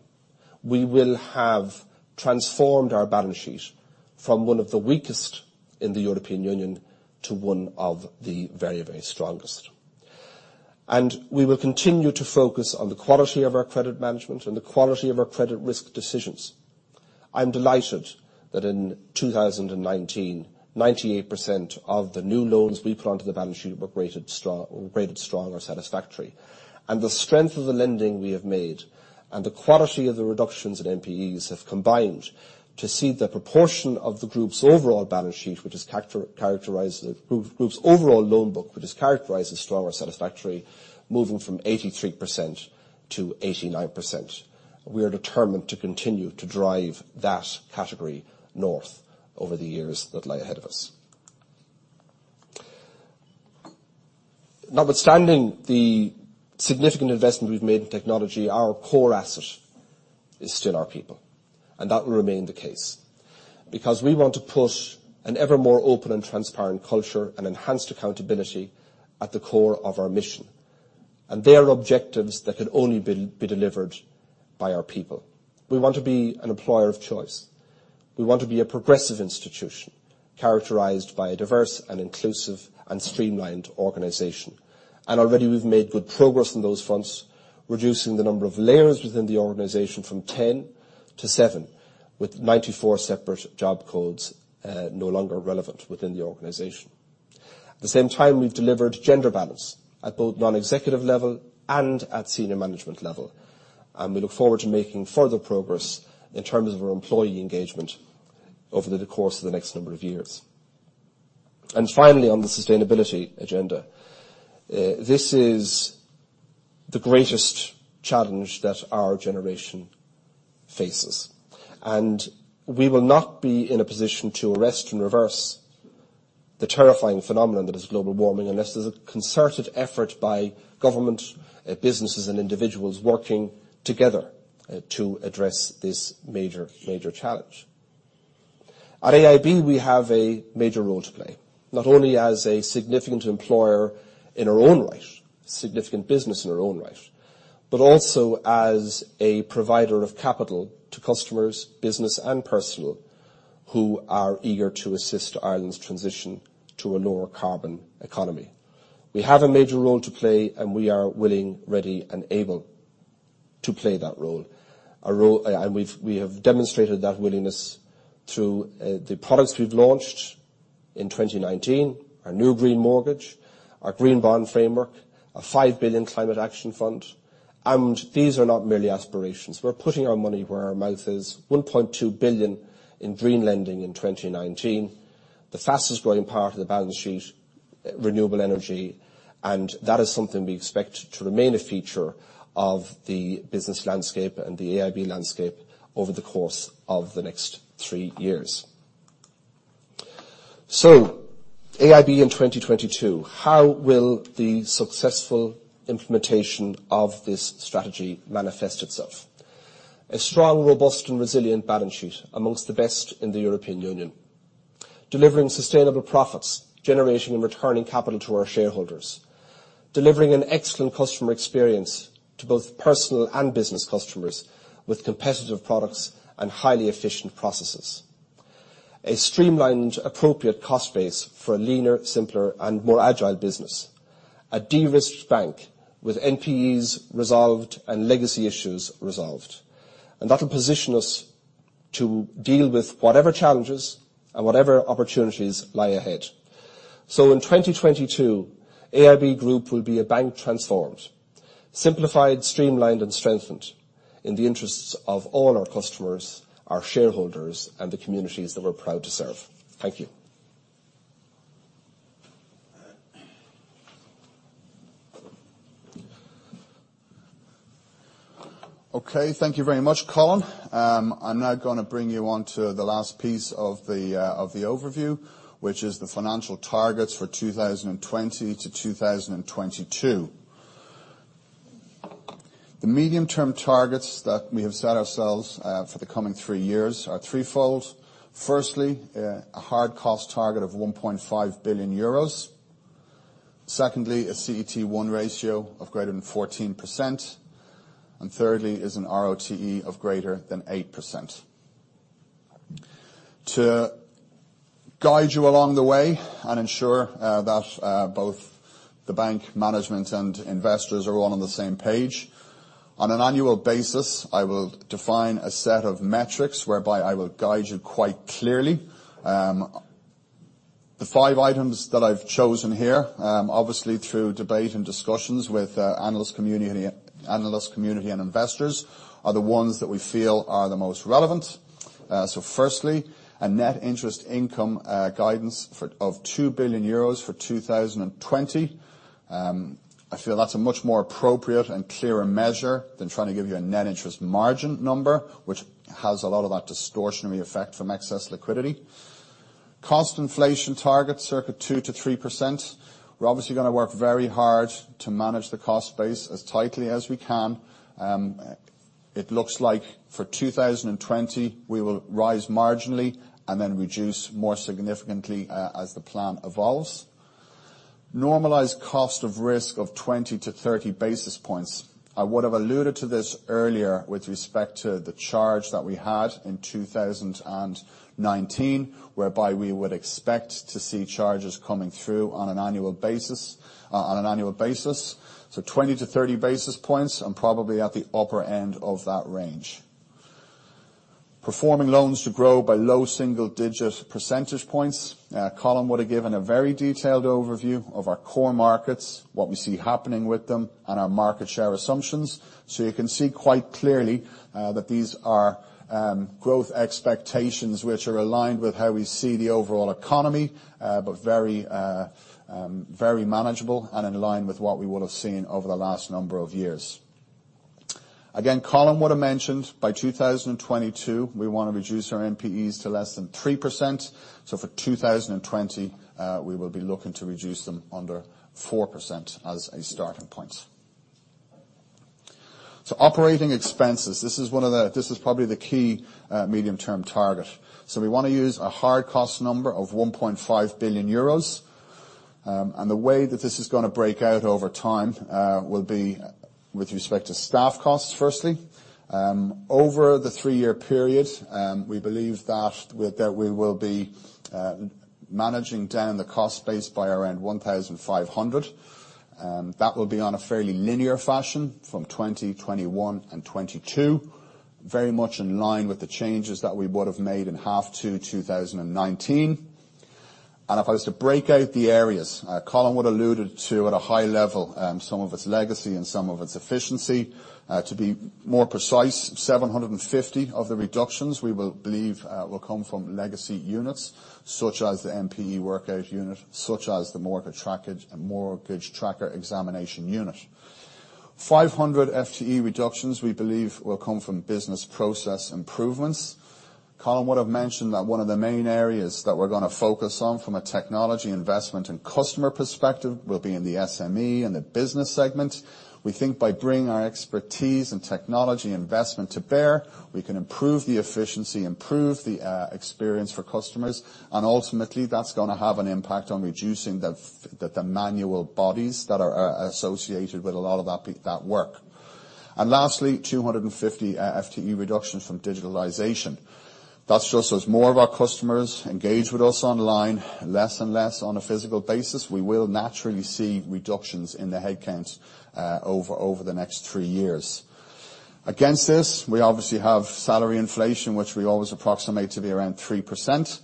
we will have transformed our balance sheet from one of the weakest in the European Union to one of the very strongest. We will continue to focus on the quality of our credit management and the quality of our credit risk decisions. I'm delighted that in 2019, 98% of the new loans we put onto the balance sheet were rated strong or satisfactory. The strength of the lending we have made and the quality of the reductions in NPEs have combined to see the proportion of the group's overall loan book, which is characterized as strong or satisfactory, moving from 83%-89%. We are determined to continue to drive that category north over the years that lie ahead of us. Notwithstanding the significant investment we've made in technology, our core asset is still our people, and that will remain the case because we want to put an ever more open and transparent culture and enhanced accountability at the core of our mission. They are objectives that can only be delivered by our people. We want to be an employer of choice. We want to be a progressive institution characterized by a diverse and inclusive and streamlined organization. Already we've made good progress on those fronts, reducing the number of layers within the organization from 10 to seven, with 94 separate job codes no longer relevant within the organization. At the same time, we've delivered gender balance at both non-executive level and at senior management level. We look forward to making further progress in terms of our employee engagement over the course of the next number of years. Finally, on the sustainability agenda, this is the greatest challenge that our generation faces, and we will not be in a position to arrest and reverse the terrifying phenomenon that is global warming unless there's a concerted effort by government, businesses, and individuals working together to address this major challenge. At AIB, we have a major role to play, not only as a significant employer in our own right, significant business in our own right, but also as a provider of capital to customers, business and personal, who are eager to assist Ireland's transition to a lower carbon economy. We have a major role to play, and we are willing, ready, and able to play that role. We have demonstrated that willingness through the products we've launched in 2019, our new Green Mortgage, our Green Bond Framework, a 5 billion Climate Action Fund. These are not merely aspirations. We're putting our money where our mouth is. 1.2 billion in green lending in 2019, the fastest-growing part of the balance sheet, renewable energy, and that is something we expect to remain a feature of the business landscape and the AIB landscape over the course of the next three years. AIB in 2022, how will the successful implementation of this strategy manifest itself? A strong, robust and resilient balance sheet amongst the best in the European Union. Delivering sustainable profits, generating and returning capital to our shareholders. Delivering an excellent customer experience to both personal and business customers with competitive products and highly efficient processes. A streamlined, appropriate cost base for a leaner, simpler and more agile business. A de-risked bank with NPEs resolved and legacy issues resolved. That'll position us to deal with whatever challenges and whatever opportunities lie ahead. In 2022, AIB Group will be a bank transformed, simplified, streamlined and strengthened in the interests of all our customers, our shareholders and the communities that we're proud to serve. Thank you. Okay. Thank you very much, Colin. I am now going to bring you on to the last piece of the overview, which is the financial targets for 2020 to 2022. The medium-term targets that we have set ourselves for the coming three years are threefold. Firstly, a hard cost target of 1.5 billion euros. Secondly, a CET1 ratio of greater than 14%. Thirdly is an ROTE of greater than 8%. To guide you along the way and ensure that both the bank management and investors are all on the same page, on an annual basis, I will define a set of metrics whereby I will guide you quite clearly. The five items that I have chosen here, obviously through debate and discussions with analyst community and investors, are the ones that we feel are the most relevant. Firstly, a net interest income guidance of 2 billion euros for 2020. I feel that's a much more appropriate and clearer measure than trying to give you a net interest margin number, which has a lot of that distortionary effect from excess liquidity. Cost inflation target, circa 2%-3%. We're obviously going to work very hard to manage the cost base as tightly as we can. It looks like for 2020, we will rise marginally and then reduce more significantly as the plan evolves. Normalized cost of risk of 20-30 basis points. I would have alluded to this earlier with respect to the charge that we had in 2019, whereby we would expect to see charges coming through on an annual basis. 20-30 basis points and probably at the upper end of that range. Performing loans to grow by low single-digit percentage points. Colin would have given a very detailed overview of our core markets, what we see happening with them, and our market share assumptions. You can see quite clearly that these are growth expectations which are aligned with how we see the overall economy, but very manageable and in line with what we would've seen over the last number of years. Again, Colin would have mentioned, by 2022, we want to reduce our NPEs to less than 3%. For 2020, we will be looking to reduce them under 4% as a starting point. Operating expenses. This is probably the key medium-term target. We want to use a hard cost number of 1.5 billion euros. The way that this is going to break out over time will be with respect to staff costs, firstly. Over the three-year period, we believe that we will be managing down the cost base by around 1,500. That will be on a fairly linear fashion from 2021 and 2022, very much in line with the changes that we would have made in half to 2019. If I was to break out the areas, Colin would alluded to, at a high level, some of its legacy and some of its efficiency. To be more precise, 750 of the reductions we believe will come from legacy units, such as the NPE Workout Unit, such as the Mortgage Tracker Examination Unit. 500 FTE reductions we believe will come from business process improvements. Colin would have mentioned that one of the main areas that we're going to focus on from a technology investment and customer perspective will be in the SME and the business segment. We think by bringing our expertise and technology investment to bear, we can improve the efficiency, improve the experience for customers, and ultimately, that's going to have an impact on reducing the manual bodies that are associated with a lot of that work. Lastly, 250 FTE reduction from digitalization. That's just as more of our customers engage with us online less and less on a physical basis, we will naturally see reductions in the headcounts over the next three years. Against this, we obviously have salary inflation, which we always approximate to be around 3%.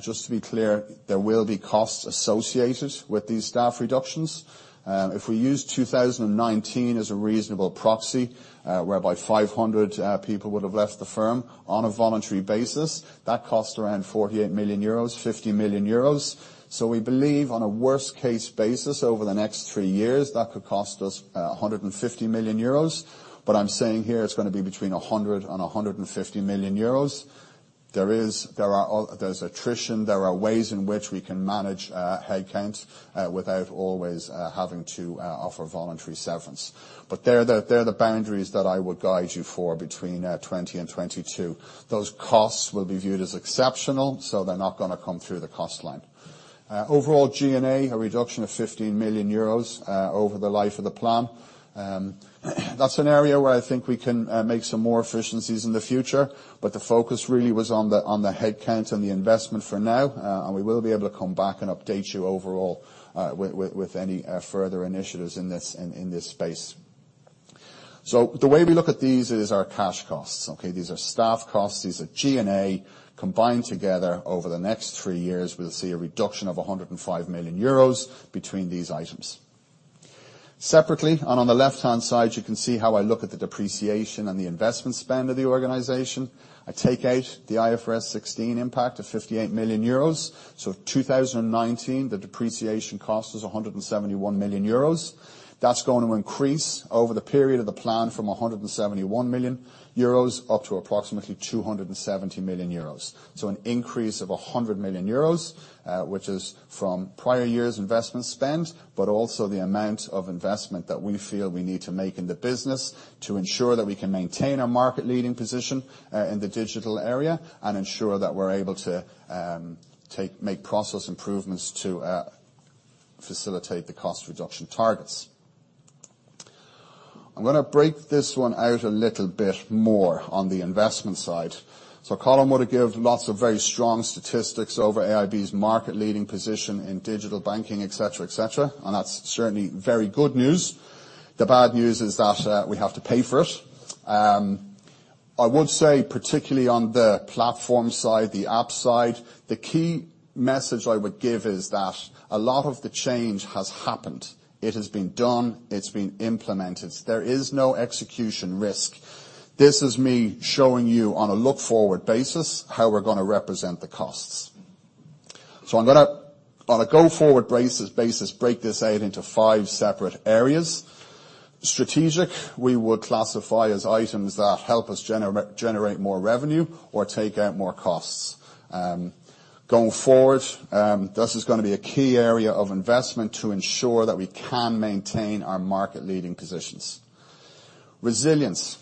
Just to be clear, there will be costs associated with these staff reductions. If we use 2019 as a reasonable proxy, whereby 500 people would have left the firm on a voluntary basis, that cost around 48 million euros, 50 million euros. We believe on a worst case basis over the next three years, that could cost us 150 million euros. I'm saying here it's going to be between 100 million and 150 million euros. There's attrition. There are ways in which we can manage headcount without always having to offer voluntary severance. They're the boundaries that I would guide you for between 2020 and 2022. Those costs will be viewed as exceptional, so they're not going to come through the cost line. Overall G&A, a reduction of 15 million euros over the life of the plan. That's an area where I think we can make some more efficiencies in the future, but the focus really was on the headcount and the investment for now. We will be able to come back and update you overall with any further initiatives in this space. The way we look at these is our cash costs. Okay. These are staff costs, these are G&A combined together. Over the next three years, we will see a reduction of 105 million euros between these items. Separately, on the left-hand side, you can see how I look at the depreciation and the investment spend of the organization. I take out the IFRS 16 impact of 58 million euros. 2019, the depreciation cost was 171 million euros. That's going to increase over the period of the plan from 171 million euros up to approximately 270 million euros. An increase of 100 million euros, which is from prior years' investment spend, but also the amount of investment that we feel we need to make in the business to ensure that we can maintain our market leading position in the digital area and ensure that we're able to make process improvements to facilitate the cost reduction targets. I'm going to break this one out a little bit more on the investment side. Colin would give lots of very strong statistics over AIB's market leading position in digital banking, et cetera. That's certainly very good news. The bad news is that we have to pay for it. I would say particularly on the platform side, the app side, the key message I would give is that a lot of the change has happened. It has been done. It's been implemented. There is no execution risk. This is me showing you on a look-forward basis how we're going to represent the costs. I'm going to, on a go-forward basis, break this out into five separate areas. Strategic, we would classify as items that help us generate more revenue or take out more costs. Going forward, this is going to be a key area of investment to ensure that we can maintain our market leading positions. Resilience.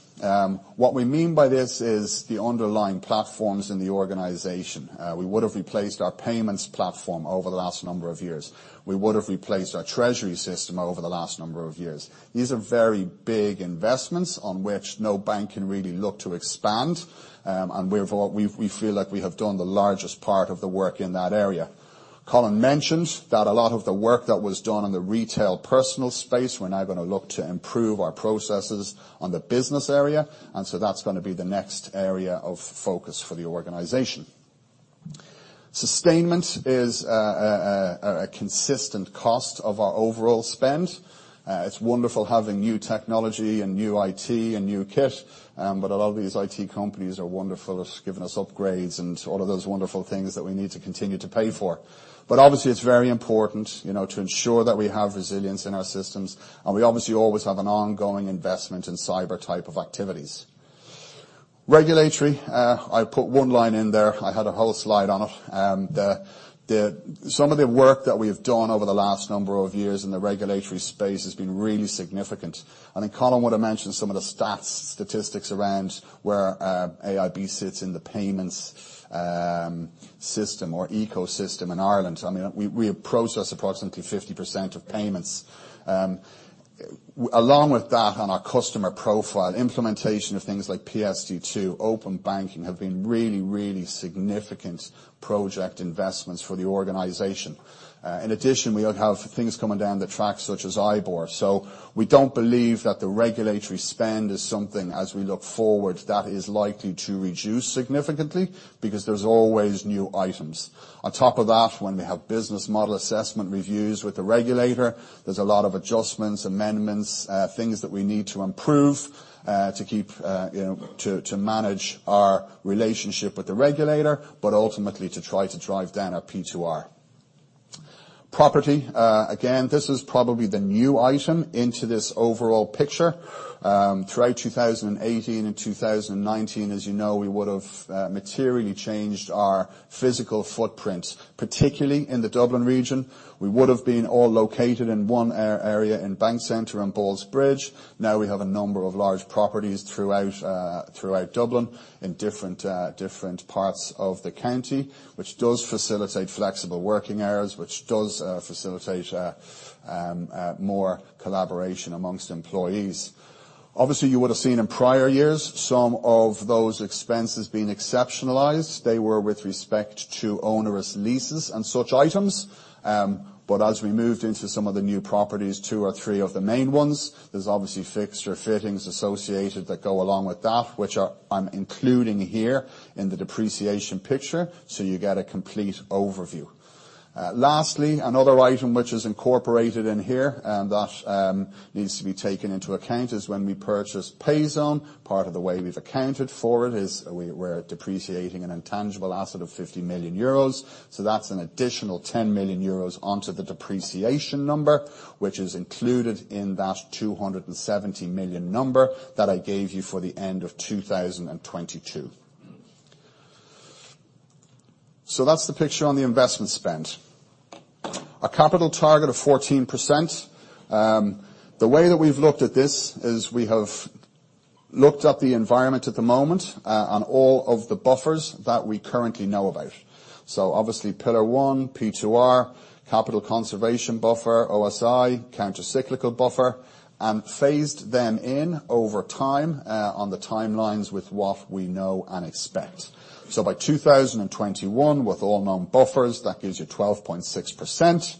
What we mean by this is the underlying platforms in the organization. We would have replaced our payments platform over the last number of years. We would have replaced our treasury system over the last number of years. These are very big investments on which no bank can really look to expand, and we feel like we have done the largest part of the work in that area. Colin mentioned that a lot of the work that was done in the retail personal space, we're now going to look to improve our processes on the business area, and so that's going to be the next area of focus for the organization. Sustainment is a consistent cost of our overall spend. It's wonderful having new technology, and new IT, and new kit, but a lot of these IT companies are wonderful at giving us upgrades and all of those wonderful things that we need to continue to pay for. Obviously, it's very important to ensure that we have resilience in our systems, and we obviously always have an ongoing investment in cyber type of activities. Regulatory. I put one line in there. I had a whole slide on it. Some of the work that we've done over the last number of years in the regulatory space has been really significant. I think Colin would have mentioned some of the statistics around where AIB sits in the payments system or ecosystem in Ireland. We process approximately 50% of payments. Along with that on our customer profile, implementation of things like PSD2, open banking, have been really, really significant project investments for the organization. In addition, we have things coming down the track such as IBOR. We don't believe that the regulatory spend is something, as we look forward, that is likely to reduce significantly because there's always new items. On top of that, when we have business model assessment reviews with the regulator, there's a lot of adjustments, amendments, things that we need to improve to manage our relationship with the regulator, but ultimately to try to drive down our P2R. Property. This is probably the new item into this overall picture. Throughout 2018 and 2019, as you know, we would have materially changed our physical footprint, particularly in the Dublin region. We would have been all located in one area in Bank Centre and Ballsbridge. We have a number of large properties throughout Dublin in different parts of the county, which does facilitate flexible working areas, which does facilitate more collaboration amongst employees. You would have seen in prior years, some of those expenses being exceptionalized. They were with respect to onerous leases and such items. As we moved into some of the new properties, two or three of the main ones, there's obviously fixture fittings associated that go along with that, which I'm including here in the depreciation picture so you get a complete overview. Lastly, another item which is incorporated in here and that needs to be taken into account is when we purchase Payzone. Part of the way we've accounted for it is we're depreciating an intangible asset of 50 million euros. That's an additional 10 million euros onto the depreciation number, which is included in that 270 million number that I gave you for the end of 2022. That's the picture on the investment spend. A capital target of 14%. The way that we've looked at this is we have looked at the environment at the moment on all of the buffers that we currently know about. Obviously, Pillar 1, P2R, capital conservation buffer, O-SII, countercyclical buffer, and phased them in over time on the timelines with what we know and expect. By 2021, with all known buffers, that gives you 12.6%.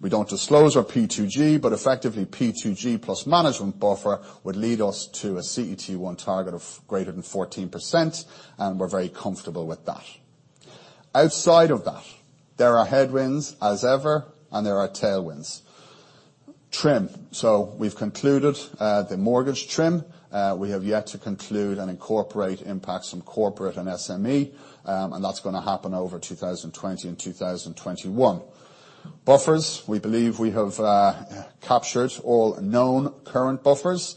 We don't disclose our P2G, but effectively, P2G plus management buffer would lead us to a CET1 target of greater than 14%, and we're very comfortable with that. Outside of that, there are headwinds as ever, and there are tailwinds. TRIM. We've concluded the mortgage TRIM. We have yet to conclude and incorporate impacts from corporate and SME, and that's going to happen over 2020 and 2021. Buffers, we believe we have captured all known current buffers.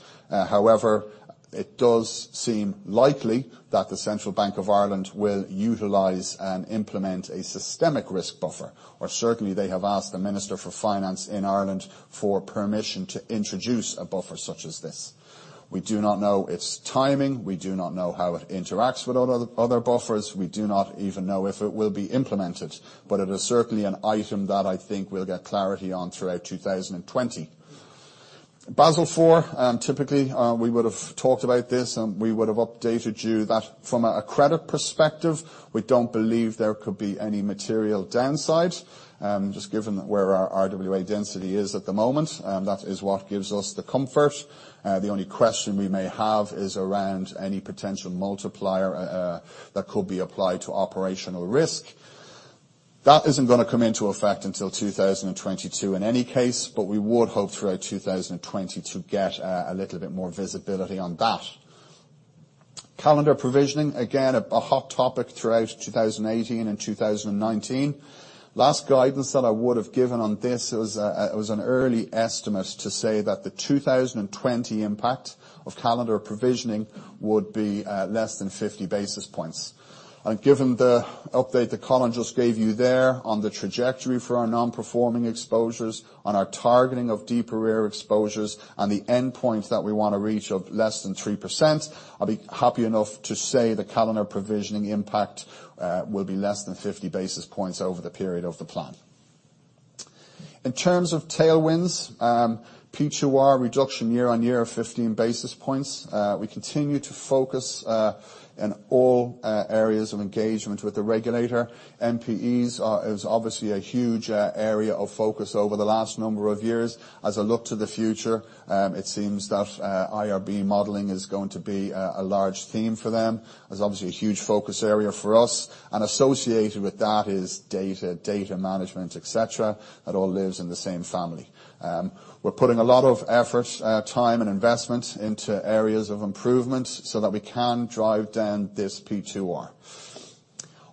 It does seem likely that the Central Bank of Ireland will utilize and implement a systemic risk buffer, or certainly they have asked the Minister for Finance in Ireland for permission to introduce a buffer such as this. We do not know its timing. We do not know how it interacts with other buffers. We do not even know if it will be implemented. It is certainly an item that I think we'll get clarity on throughout 2020. Basel IV. Typically, we would have talked about this, and we would have updated you that from a credit perspective, we don't believe there could be any material downside. Just given where our RWA density is at the moment, that is what gives us the comfort. The only question we may have is around any potential multiplier that could be applied to operational risk. That isn't going to come into effect until 2022 in any case, but we would hope throughout 2020 to get a little bit more visibility on that. Calendar provisioning, again, a hot topic throughout 2018 and 2019. Last guidance that I would have given on this, it was an early estimate to say that the 2020 impact of Calendar provisioning would be less than 50 basis points. Given the update that Colin just gave you there on the trajectory for our Non-Performing Exposures, on our targeting of deeper rear exposures, and the endpoint that we want to reach of less than 3%, I'll be happy enough to say the Calendar provisioning impact will be less than 50 basis points over the period of the plan. In terms of tailwinds, P2R reduction year-on-year of 15 basis points. We continue to focus on all areas of engagement with the regulator. NPEs is obviously a huge area of focus over the last number of years. As I look to the future, it seems that IRB modeling is going to be a large theme for them. Associated with that is data management, et cetera. It all lives in the same family. We're putting a lot of effort, time, and investment into areas of improvement so that we can drive down this P2R.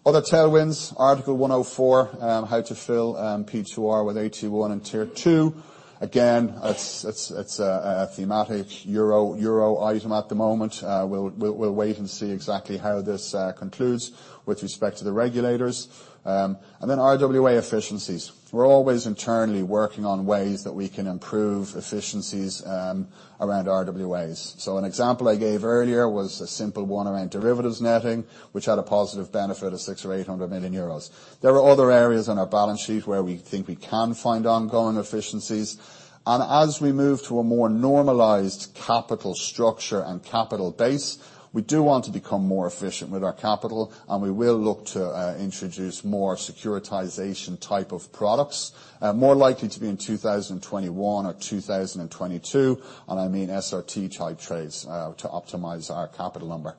Other tailwinds, Article 104, how to fill P2R with AT1 and Tier 2. It's a thematic euro item at the moment. We'll wait and see exactly how this concludes with respect to the regulators. RWA efficiencies. We're always internally working on ways that we can improve efficiencies around RWAs. An example I gave earlier was a simple one around derivatives netting, which had a positive benefit of 600 million or 800 million euros. There are other areas on our balance sheet where we think we can find ongoing efficiencies. As we move to a more normalized capital structure and capital base, we do want to become more efficient with our capital, and we will look to introduce more securitization type of products. More likely to be in 2021 or 2022, and I mean SRT-type trades to optimize our capital number.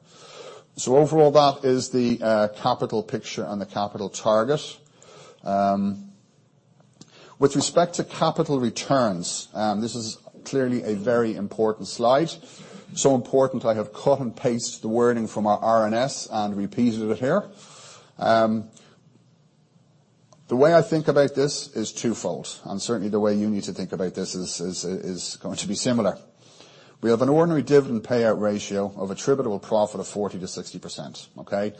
Overall, that is the capital picture and the capital target. With respect to capital returns, this is clearly a very important slide. Important, I have cut and paste the wording from our RNS and repeated it here. The way I think about this is twofold, and certainly the way you need to think about this is going to be similar. We have an ordinary dividend payout ratio of attributable profit of 40%-60%. Okay?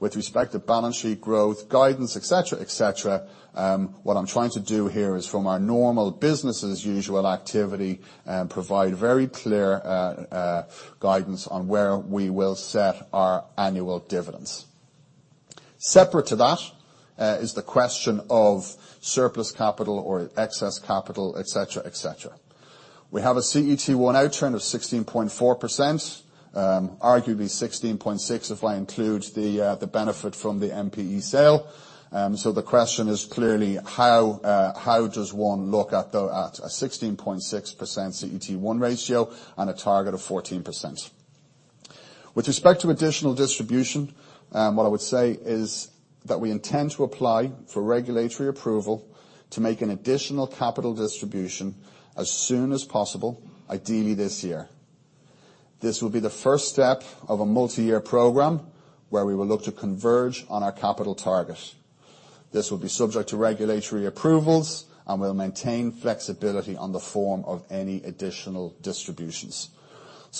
With respect to balance sheet growth, guidance, et cetera. What I'm trying to do here is from our normal business as usual activity, provide very clear guidance on where we will set our annual dividends. Separate to that is the question of surplus capital or excess capital, et cetera. We have a CET1 outturn of 16.4%, arguably 16.6% if I include the benefit from the NPE sale. The question is clearly, how does one look at a 16.6% CET1 ratio and a target of 14%? With respect to additional distribution, what I would say is that we intend to apply for regulatory approval to make an additional capital distribution as soon as possible, ideally this year. This will be the first step of a multi-year program where we will look to converge on our capital target. This will be subject to regulatory approvals and will maintain flexibility on the form of any additional distributions.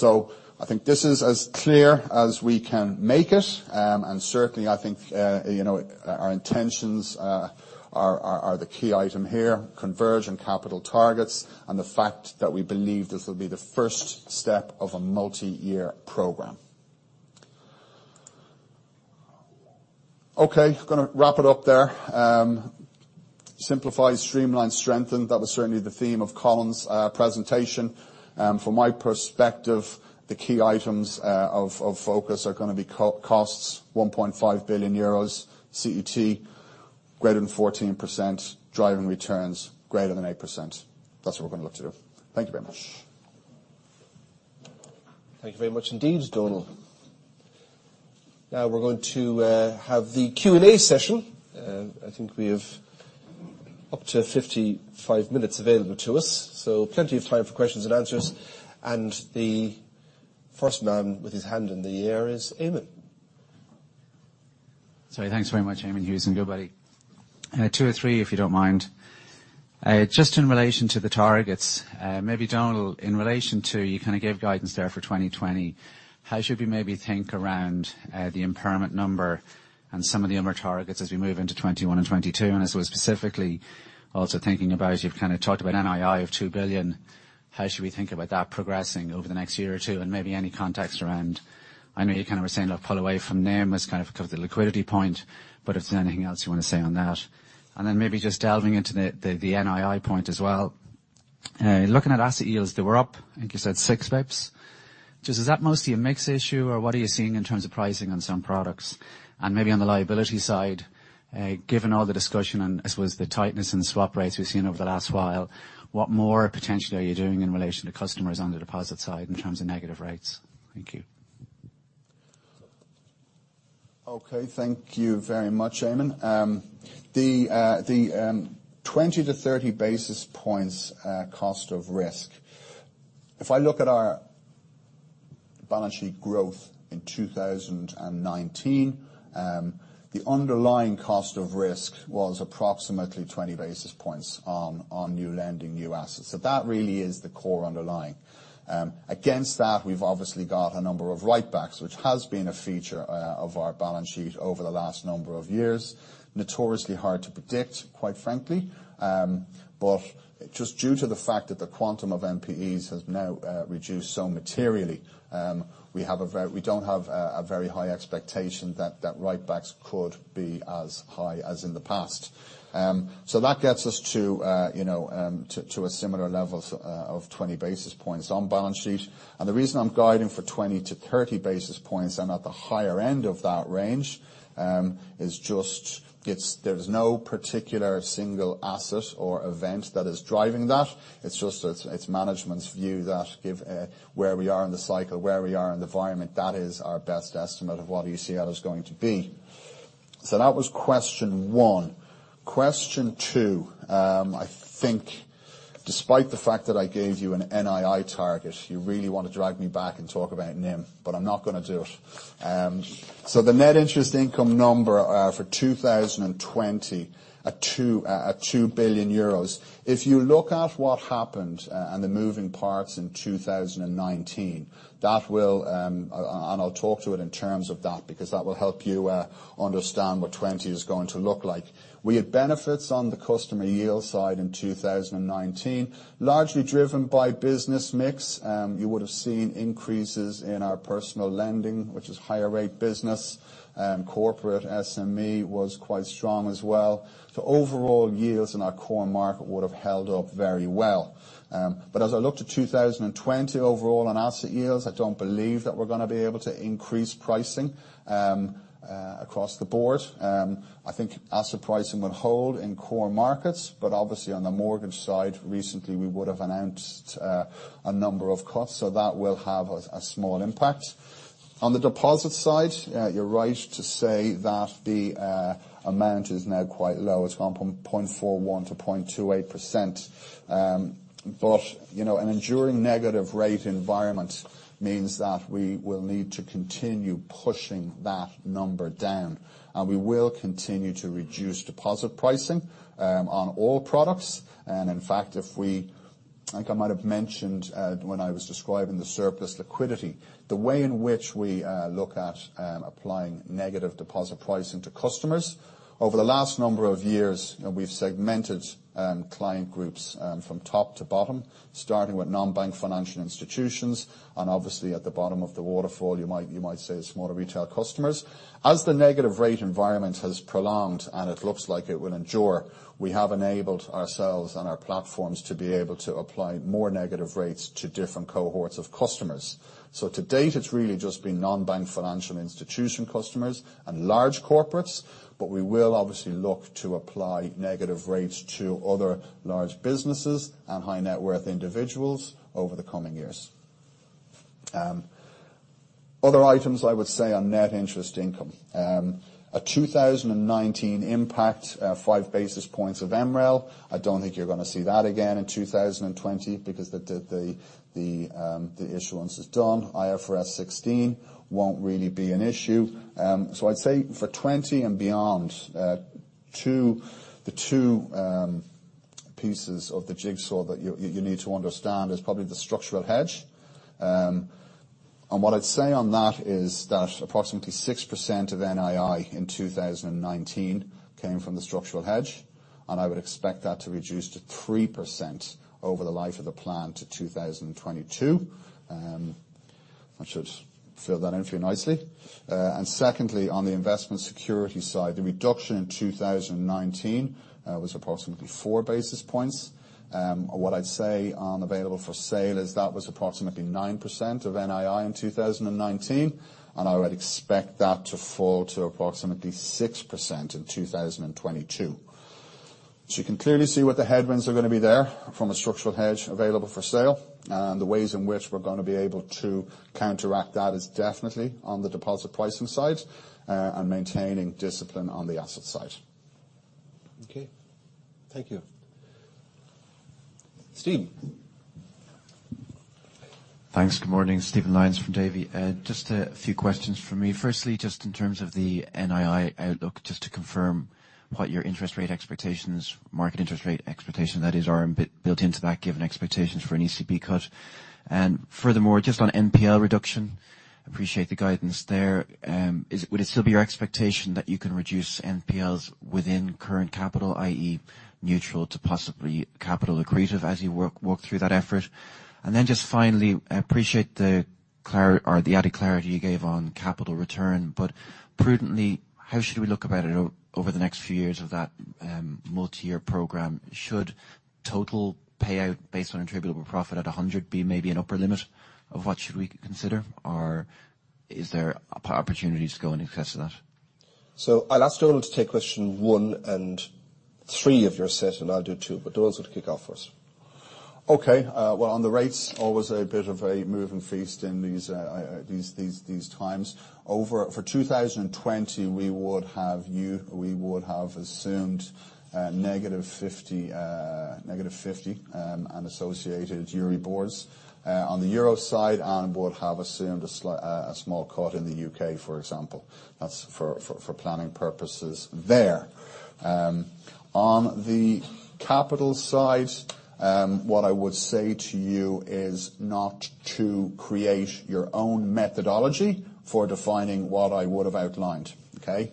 I think this is as clear as we can make it, and certainly I think our intentions are the key item here, converge on capital targets and the fact that we believe this will be the first step of a multi-year program. Okay, going to wrap it up there. Simplify, streamline, strengthen. That was certainly the theme of Colin's presentation. From my perspective, the key items of focus are going to be costs, 1.5 billion euros, CET greater than 14%, driving returns greater than 8%. That's what we're going to look to do. Thank you very much. Thank you very much indeed, Donal. We're going to have the Q&A session. I think we have up to 55 minutes available to us. Plenty of time for questions and answers. The first man with his hand in the air is Eamonn. Sorry. Thanks very much, Eamonn Hughes and Goodbody. Two or three, if you don't mind. Just in relation to the targets, maybe Donal, in relation to, you kind of gave guidance there for 2020. How should we maybe think around the impairment number and some of the other targets as we move into 2021 and 2022? I was specifically also thinking about, you've kind of talked about NII of 2 billion. How should we think about that progressing over the next year or two? Maybe any context around, I know you kind of were saying pull away from NIM as kind of because of the liquidity point, but if there's anything else you want to say on that. Maybe just delving into the NII point as well. Looking at asset yields, they were up, I think you said six basis points. Just is that mostly a mix issue or what are you seeing in terms of pricing on some products? Maybe on the liability side, given all the discussion and I suppose the tightness in swap rates we've seen over the last while, what more potentially are you doing in relation to customers on the deposit side in terms of negative rates? Thank you. Okay, thank you very much, Eamonn. The 20-30 basis points cost of risk. If I look at our balance sheet growth in 2019. The underlying cost of risk was approximately 20 basis points on new lending, new assets. That really is the core underlying. Against that, we've obviously got a number of write-backs, which has been a feature of our balance sheet over the last number of years. Notoriously hard to predict, quite frankly. Just due to the fact that the quantum of NPEs has now reduced so materially, we don't have a very high expectation that write-backs could be as high as in the past. That gets us to a similar level of 20 basis points on balance sheet. The reason I'm guiding for 20-30 basis points and at the higher end of that range, there's no particular single asset or event that is driving that. It's just management's view that give where we are in the cycle, where we are in the environment, that is our best estimate of what ECL is going to be. That was question one. Question two. I think despite the fact that I gave you an NII target, you really want to drag me back and talk about NIM, but I'm not going to do it. The net interest income number for 2020 at 2 billion euros. If you look at what happened and the moving parts in 2019, and I'll talk to it in terms of that, because that will help you understand what 2020 is going to look like. We had benefits on the customer yield side in 2019, largely driven by business mix. You would have seen increases in our personal lending, which is higher rate business. Corporate SME was quite strong as well. Overall yields in our core market would have held up very well. As I look to 2020 overall on asset yields, I don't believe that we're going to be able to increase pricing across the board. I think asset pricing will hold in core markets, obviously on the mortgage side, recently, we would have announced a number of cuts, that will have a small impact. On the deposit side, you're right to say that the amount is now quite low. It's gone from 0.41%-0.28%. An enduring negative rate environment means that we will need to continue pushing that number down, and we will continue to reduce deposit pricing on all products. In fact, I think I might have mentioned when I was describing the surplus liquidity, the way in which we look at applying negative deposit pricing to customers. Over the last number of years, we've segmented client groups from top to bottom, starting with non-bank financial institutions, and obviously at the bottom of the waterfall, you might say it's smaller retail customers. As the negative rate environment has prolonged, and it looks like it will endure, we have enabled ourselves and our platforms to be able to apply more negative rates to different cohorts of customers. To date, it's really just been non-bank financial institution customers and large corporates, but we will obviously look to apply negative rates to other large businesses and high net worth individuals over the coming years. Other items I would say on net interest income. A 2019 impact, five basis points of MREL. I don't think you're going to see that again in 2020 because the issuance is done. IFRS 16 won't really be an issue. I'd say for 2020 and beyond, the two pieces of the jigsaw that you need to understand is probably the structural hedge. What I'd say on that is that approximately 6% of NII in 2019 came from the structural hedge, and I would expect that to reduce to 3% over the life of the plan to 2022. That should fill that in for you nicely. Secondly, on the investment security side, the reduction in 2019 was approximately four basis points. What I'd say on available for sale is that was approximately 9% of NII in 2019, and I would expect that to fall to approximately 6% in 2022. You can clearly see what the headwinds are going to be there from a structural hedge available for sale. The ways in which we're going to be able to counteract that is definitely on the deposit pricing side, and maintaining discipline on the asset side. Okay. Thank you. Stephen. Thanks. Good morning, Stephen Lyons from Davy. Just a few questions from me. Just in terms of the NII outlook, just to confirm what your interest rate expectations, market interest rate expectation that is are built into that, given expectations for an ECB cut. Furthermore, just on NPL reduction, appreciate the guidance there. Would it still be your expectation that you can reduce NPLs within current capital, i.e. neutral to possibly capital accretive as you work through that effort? Just finally, I appreciate the added clarity you gave on capital return. Prudently, how should we look about it over the next few years of that multi-year program? Should total payout based on attributable profit at 100% be maybe an upper limit of what should we consider? Is there opportunities to go in excess of that? I'll ask Donal to take question one and three of your set, and I'll do two. Donal's going to kick off first. Okay. Well, on the rates, always a bit of a moving feast in these times. For 2020, we would have assumed negative 50 and associated EURIBORs on the euro side, and would have assumed a small cut in the U.K., for example. That's for planning purposes there. On the capital side, what I would say to you is not to create your own methodology for defining what I would've outlined. Okay?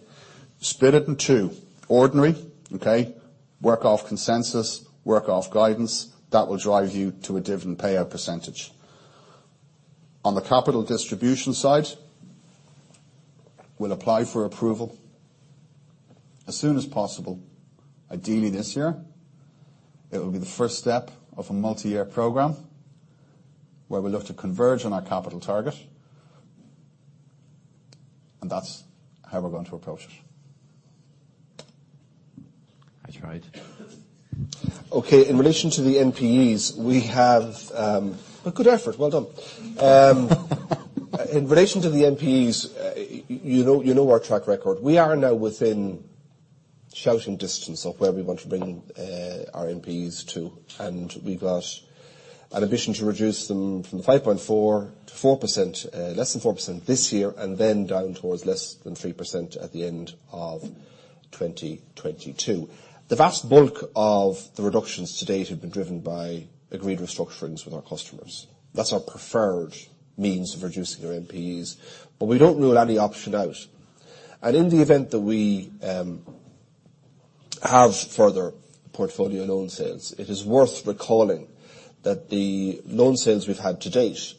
Split it in two. Ordinary, okay, work off consensus, work off guidance. That will drive you to a dividend payout percentage. On the capital distribution side, we'll apply for approval as soon as possible, ideally this year. It will be the first step of a multi-year program where we look to converge on our capital target, and that's how we're going to approach it. I tried. Okay. Good effort, well done. In relation to the NPEs, you know our track record. We are now within shouting distance of where we want to bring our NPEs to, and we've got an ambition to reduce them from 5.4 to less than 4% this year, and then down towards less than 3% at the end of 2022. The vast bulk of the reductions to date have been driven by agreed restructurings with our customers. That's our preferred means of reducing our NPEs, but we don't rule any option out. In the event that we have further portfolio loan sales, it is worth recalling that the loan sales we've had to date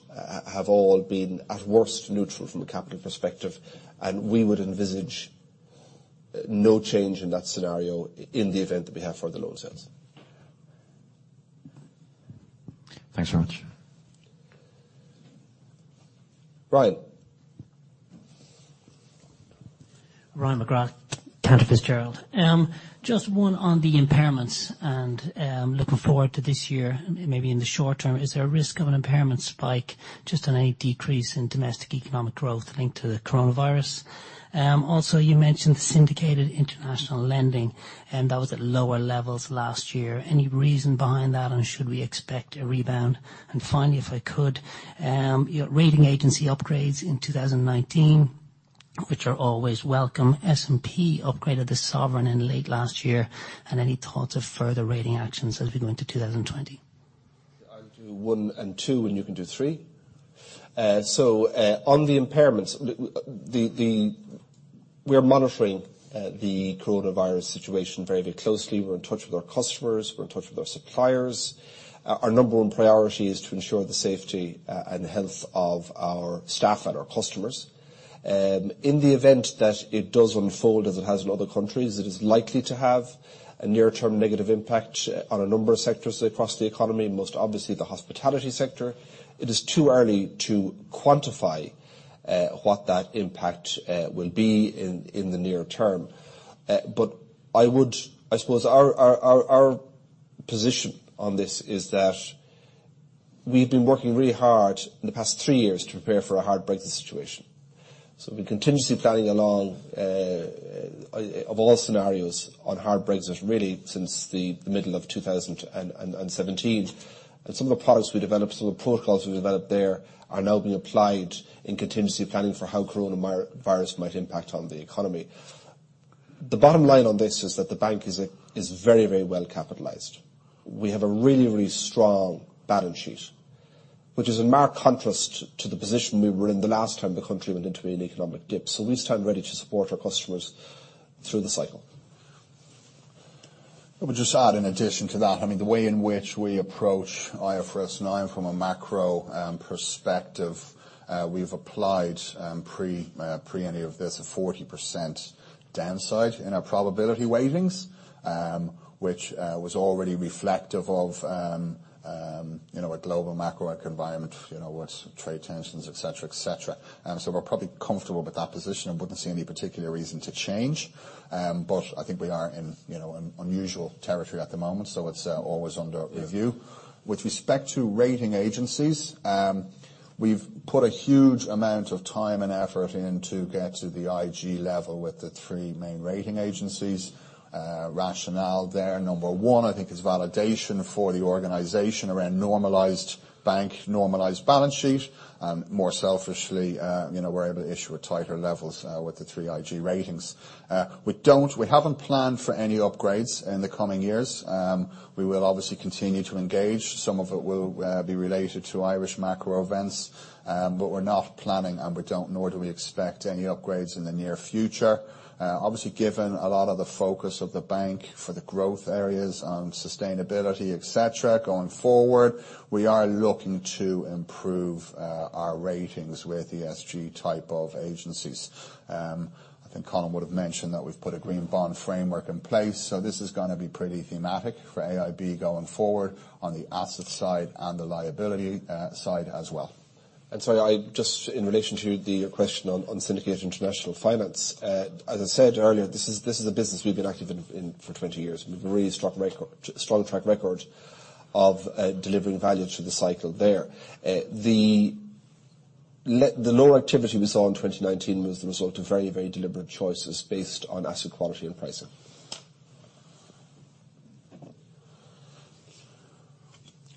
have all been at worst, neutral from a capital perspective, and we would envisage no change in that scenario in the event that we have further loan sales. Thanks very much. Ryan. Ryan McGrath, Cantor Fitzgerald. Just one on the impairments and looking forward to this year, maybe in the short term, is there a risk of an impairment spike just on any decrease in domestic economic growth linked to the coronavirus? Also, you mentioned the syndicated international lending, and that was at lower levels last year. Any reason behind that, and should we expect a rebound? Finally, if I could, your rating agency upgrades in 2019, which are always welcome. S&P upgraded the sovereign in late last year. Any thoughts of further rating actions as we go into 2020? I'll do one and two, and you can do three. On the impairments, we are monitoring the coronavirus situation very closely. We're in touch with our customers, we're in touch with our suppliers. Our number one priority is to ensure the safety and health of our staff and our customers. In the event that it does unfold as it has in other countries, it is likely to have a near-term negative impact on a number of sectors across the economy, most obviously the hospitality sector. It is too early to quantify what that impact will be in the near term. I suppose our position on this is that we've been working really hard in the past three years to prepare for a hard Brexit situation. We've been contingency planning along of all scenarios on hard Brexit, really since the middle of 2017. Some of the products we developed, some of the protocols we developed there are now being applied in contingency planning for how coronavirus might impact on the economy. The bottom line on this is that the bank is very well capitalized. We have a really strong balance sheet, which is in marked contrast to the position we were in the last time the country went into an economic dip. We stand ready to support our customers through the cycle. I would just add, in addition to that, the way in which we approach IFRS 9 from a macro perspective, we've applied, pre any of this, a 40% downside in our probability weightings, which was already reflective of a global macro environment, with trade tensions, et cetera. We're probably comfortable with that position and wouldn't see any particular reason to change. I think we are in unusual territory at the moment, so it's always under review. With respect to rating agencies, we've put a huge amount of time and effort in to get to the IG level with the three main rating agencies. Rationale there, number one, I think is validation for the organization around normalized bank, normalized balance sheet. More selfishly, we're able to issue at tighter levels with the three IG ratings. We haven't planned for any upgrades in the coming years. We will obviously continue to engage. Some of it will be related to Irish macro events. We're not planning, and we don't, nor do we expect any upgrades in the near future. Obviously, given a lot of the focus of the bank for the growth areas on sustainability, et cetera, going forward, we are looking to improve our ratings with the ESG type of agencies. I think Colin would have mentioned that we've put a Green Bond Framework in place. This is going to be pretty thematic for AIB going forward on the asset side and the liability side as well. Just in relation to the question on syndicated international finance, as I said earlier, this is a business we've been active in for 20 years. We've a really strong track record of delivering value through the cycle there. The lower activity we saw in 2019 was the result of very deliberate choices based on asset quality and pricing.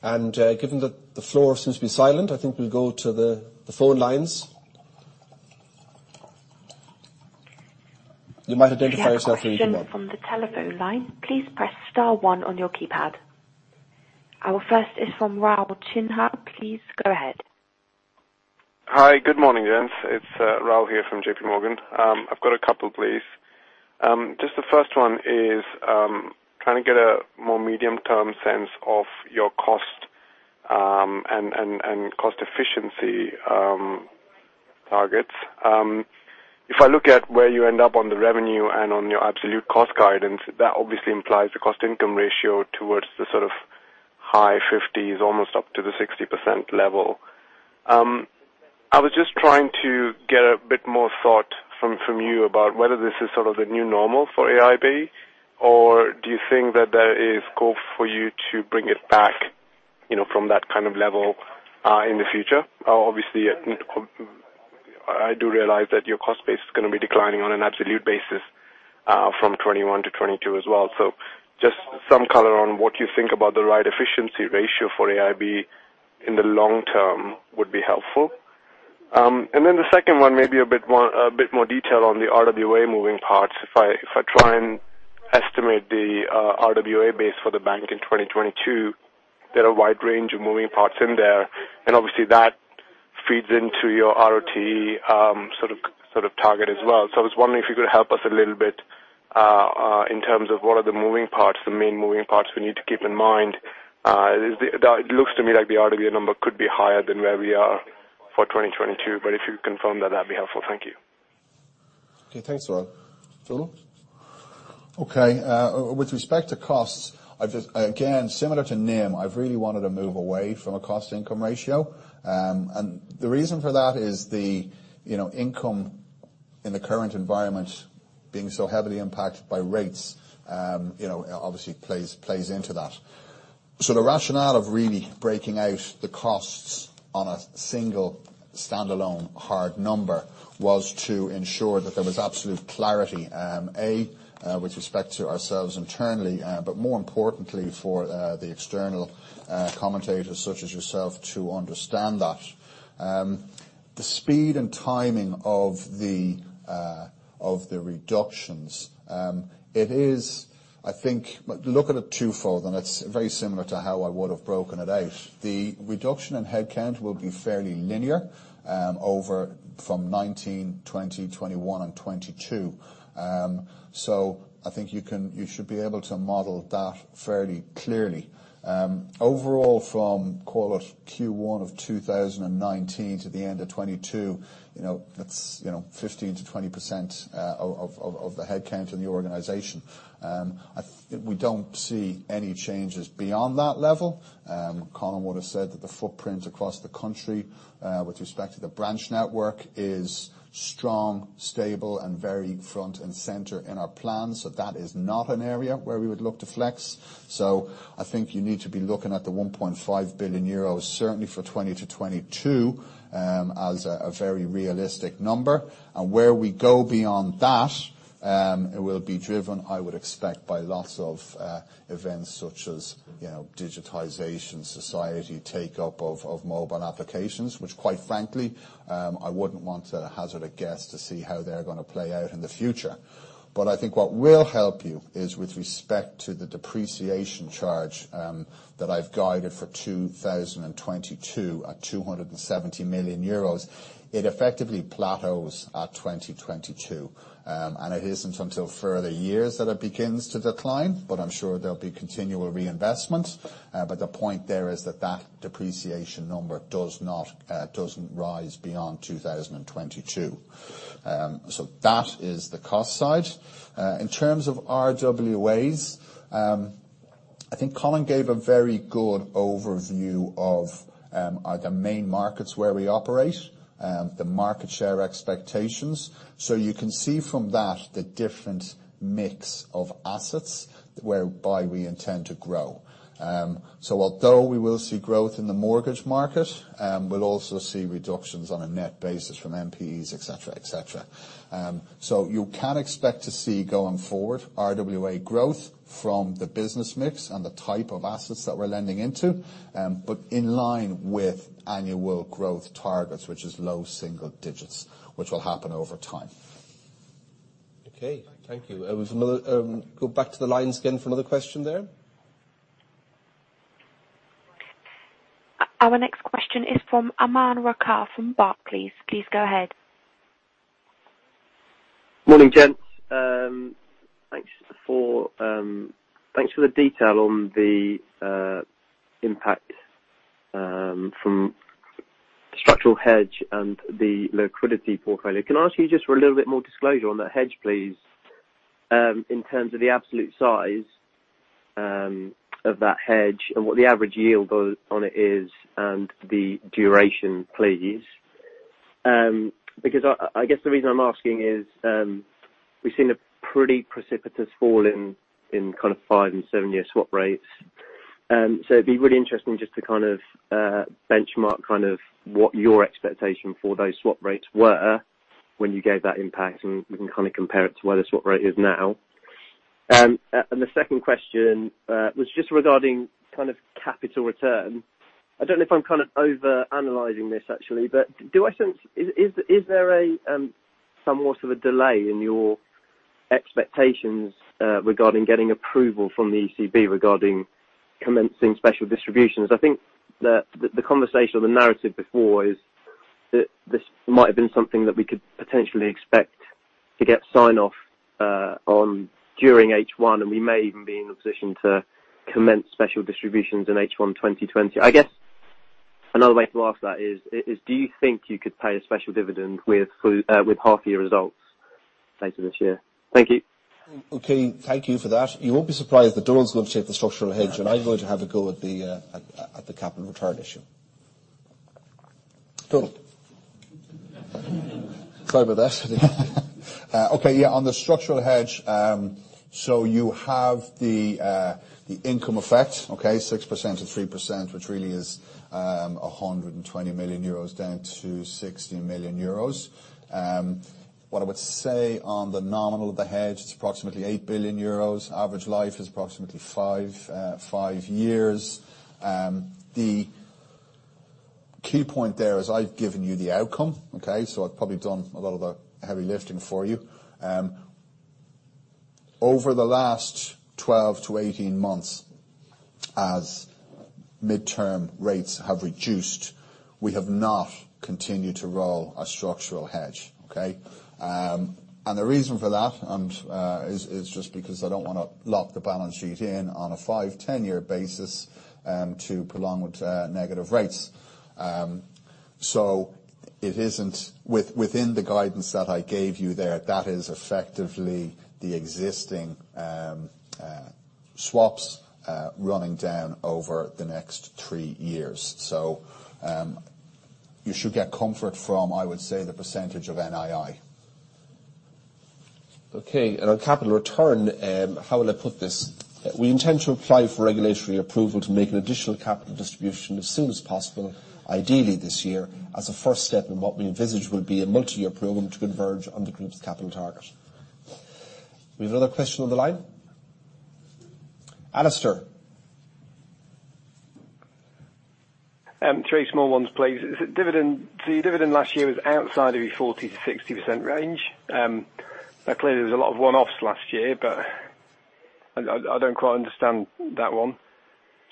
Given that the floor seems to be silent, I think we'll go to the phone lines. You might identify yourself when you come on. If you have a question from the telephone line, please press star one on your keypad. Our first is from Raul Sinha. Please go ahead. Hi. Good morning, gents. It's Raul here from JPMorgan. I've got a couple, please. Just the first one is trying to get a more medium-term sense of your cost and cost efficiency targets. If I look at where you end up on the revenue and on your absolute cost guidance, that obviously implies the cost-income ratio towards the sort of high fifties, almost up to the 60% level. I was just trying to get a bit more thought from you about whether this is sort of the new normal for AIB, or do you think that there is scope for you to bring it back from that kind of level, in the future? Obviously, I do realize that your cost base is going to be declining on an absolute basis from 2021 to 2022 as well. Just some color on what you think about the right efficiency ratio for AIB in the long term would be helpful. The second one, maybe a bit more detail on the RWA moving parts. If I try and estimate the RWA base for the bank in 2022, there are a wide range of moving parts in there, and obviously that feeds into your ROTE sort of target as well. I was wondering if you could help us a little bit, in terms of what are the moving parts, the main moving parts we need to keep in mind. It looks to me like the RWA number could be higher than where we are for 2022, but if you confirm that'd be helpful. Thank you. Okay. Thanks, Raul. Donal? Okay. With respect to costs, again, similar to NIM, I've really wanted to move away from a cost-income ratio. The reason for that is the income in the current environment being so heavily impacted by rates obviously plays into that. The rationale of really breaking out the costs on a single standalone hard number was to ensure that there was absolute clarity, A, with respect to ourselves internally, but more importantly for the external commentators such as yourself to understand that. The speed and timing of the reductions, look at it twofold, and it's very similar to how I would have broken it out. The reduction in headcount will be fairly linear over from 2019, 2020, 2021, and 2022. I think you should be able to model that fairly clearly. Overall from, call it Q1 of 2019 to the end of 2022, that's 15%-20% of the headcount in the organization. We don't see any changes beyond that level. Colin would've said that the footprint across the country, with respect to the branch network, is strong, stable, and very front and center in our plan. That is not an area where we would look to flex. I think you need to be looking at the 1.5 billion euros, certainly for 2020-2022, as a very realistic number. Where we go beyond that, it will be driven, I would expect, by lots of events such as digitization, society take-up of mobile applications, which quite frankly, I wouldn't want to hazard a guess to see how they're going to play out in the future. I think what will help you is with respect to the depreciation charge that I've guided for 2022 at 270 million euros, it effectively plateaus at 2022. It isn't until further years that it begins to decline, but I'm sure there'll be continual reinvestment. The point there is that depreciation number doesn't rise beyond 2022. That is the cost side. In terms of RWAs, I think Colin gave a very good overview of the main markets where we operate, the market share expectations. You can see from that the different mix of assets whereby we intend to grow. Although we will see growth in the mortgage market, we'll also see reductions on a net basis from NPEs, et cetera. You can expect to see going forward, RWA growth from the business mix and the type of assets that we're lending into, but in line with annual growth targets, which is low single digits, which will happen over time. Okay. Thank you. Go back to the lines again for another question there. Our next question is from Aman Rakkar from Barclays. Please go ahead. Morning, gents. Thanks for the detail on the impact from structural hedge and the liquidity portfolio. Can I ask you just for a little bit more disclosure on that hedge, please, in terms of the absolute size of that hedge, and what the average yield on it is, and the duration, please. I guess the reason I'm asking is, we've seen a pretty precipitous fall in five- and seven-year swap rates. It'd be really interesting just to benchmark what your expectation for those swap rates were when you gave that impact, and we can compare it to where the swap rate is now. The second question was just regarding capital return. I don't know if I'm over-analyzing this, actually, but do I sense, is there a somewhat of a delay in your expectations regarding getting approval from the ECB regarding commencing special distributions? I think that the conversation or the narrative before is that this might have been something that we could potentially expect to get sign-off on during H1, and we may even be in a position to commence special distributions in H1 2020. I guess another way to ask that is, do you think you could pay a special dividend with half year results later this year? Thank you. Okay. Thank you for that. You won't be surprised that Donal's going to take the structural hedge, and I'm going to have a go at the capital return issue. Donal. Sorry about that. Okay, on the structural hedge. You have the income effect, okay? 6%-3%, which really is 120 million euros down to 60 million euros. What I would say on the nominal of the hedge, it's approximately 8 billion euros. Average life is approximately five years. The key point there is I've given you the outcome. Okay? I've probably done a lot of the heavy lifting for you. Over the last 12 to 18 months, as midterm rates have reduced, we have not continued to roll a structural hedge. Okay? The reason for that is just because I don't want to lock the balance sheet in on a five, 10-year basis to prolonged negative rates. Within the guidance that I gave you there, that is effectively the existing swaps running down over the next three years. You should get comfort from, I would say, the percentage of NII. Okay. On capital return, how will I put this? We intend to apply for regulatory approval to make an additional capital distribution as soon as possible, ideally this year, as a first step in what we envisage will be a multi-year program to converge on the group's capital target. We have another question on the line. Alistair. Three small ones, please. Your dividend last year was outside of your 40%-60% range. Clearly there was a lot of one-offs last year, but I don't quite understand that one.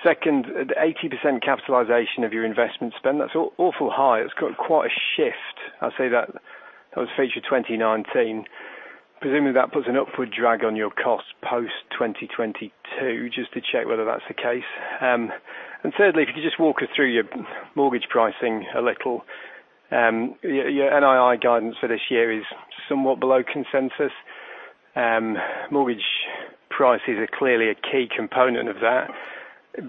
Second, the 80% capitalization of your investment spend, that's awful high. It's got quite a shift, I'll say that. That was for 2019. Presumably that puts an upward drag on your cost post 2022. Just to check whether that's the case. Thirdly, if you could just walk us through your mortgage pricing a little. Your NII guidance for this year is somewhat below consensus. Mortgage prices are clearly a key component of that.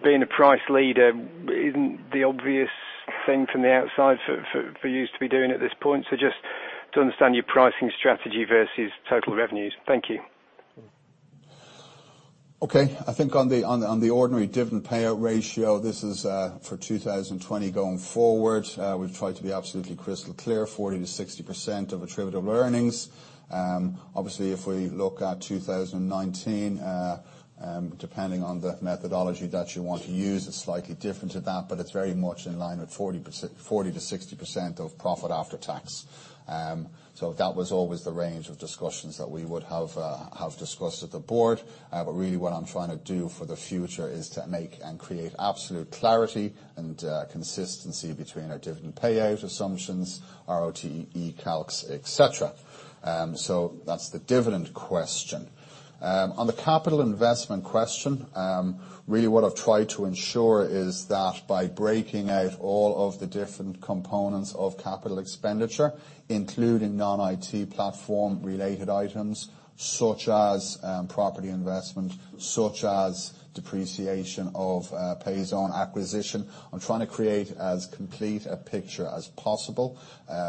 Being a price leader isn't the obvious thing from the outside for Youse to be doing at this point. Just to understand your pricing strategy versus total revenues. Thank you. Okay. I think on the ordinary dividend payout ratio, this is for 2020 going forward. We've tried to be absolutely crystal clear, 40%-60% of attributable earnings. Obviously, if we look at 2019, depending on the methodology that you want to use, it's slightly different to that, but it's very much in line with 40%-60% of profit after tax. That was always the range of discussions that we would have discussed at the board. Really what I'm trying to do for the future is to make and create absolute clarity and consistency between our dividend payout assumptions, ROTE calcs, et cetera. That's the dividend question. On the capital investment question, really what I've tried to ensure is that by breaking out all of the different components of capital expenditure, including non-IT platform related items such as property investment, such as depreciation of Payzone acquisition, I'm trying to create as complete a picture as possible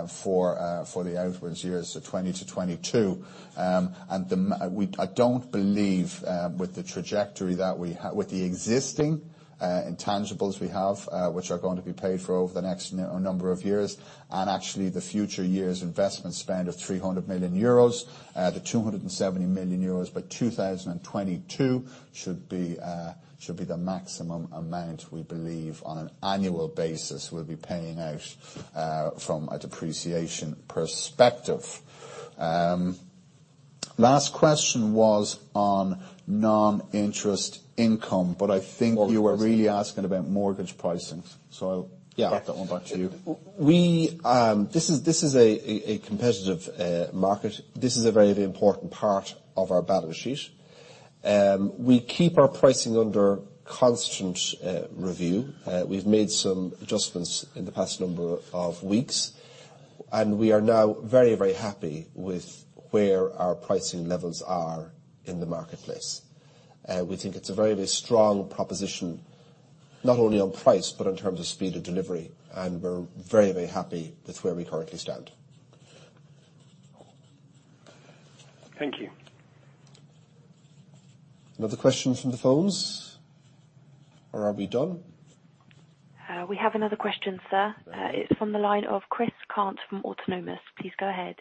for the outwards years of 2020 to 2022. I don't believe with the existing intangibles we have, which are going to be paid for over the next number of years, and actually the future years investment spend of 300 million euros, the 270 million euros by 2022 should be the maximum amount we believe on an annual basis we'll be paying out from a depreciation perspective. Last question was on non-interest income, I think you were really asking about mortgage pricing. I'll- Yeah. Get that one back to you. This is a competitive market. This is a very important part of our balance sheet. We keep our pricing under constant review. We've made some adjustments in the past number of weeks. We are now very, very happy with where our pricing levels are in the marketplace. We think it's a very, very strong proposition, not only on price, but in terms of speed of delivery, and we're very, very happy with where we currently stand. Thank you. Another question from the phones, or are we done? We have another question, sir. Okay. It's from the line of Chris Cant from Autonomous. Please go ahead.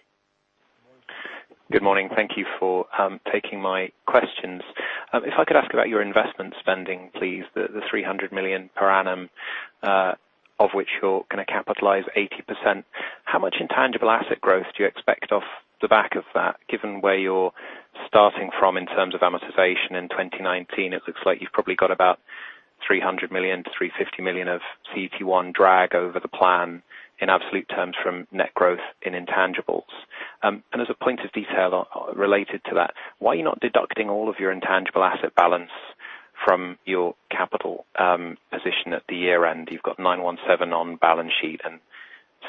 Good morning. Thank you for taking my questions. If I could ask about your investment spending, please. The 300 million per annum, of which you're going to capitalize 80%. How much intangible asset growth do you expect off the back of that? Given where you're starting from in terms of amortization in 2019, it looks like you've probably got about 300 million-350 million of CET1 drag over the plan in absolute terms from net growth in intangibles. As a point of detail related to that, why are you not deducting all of your intangible asset balance from your capital position at the year-end? You've got 917 on balance sheet and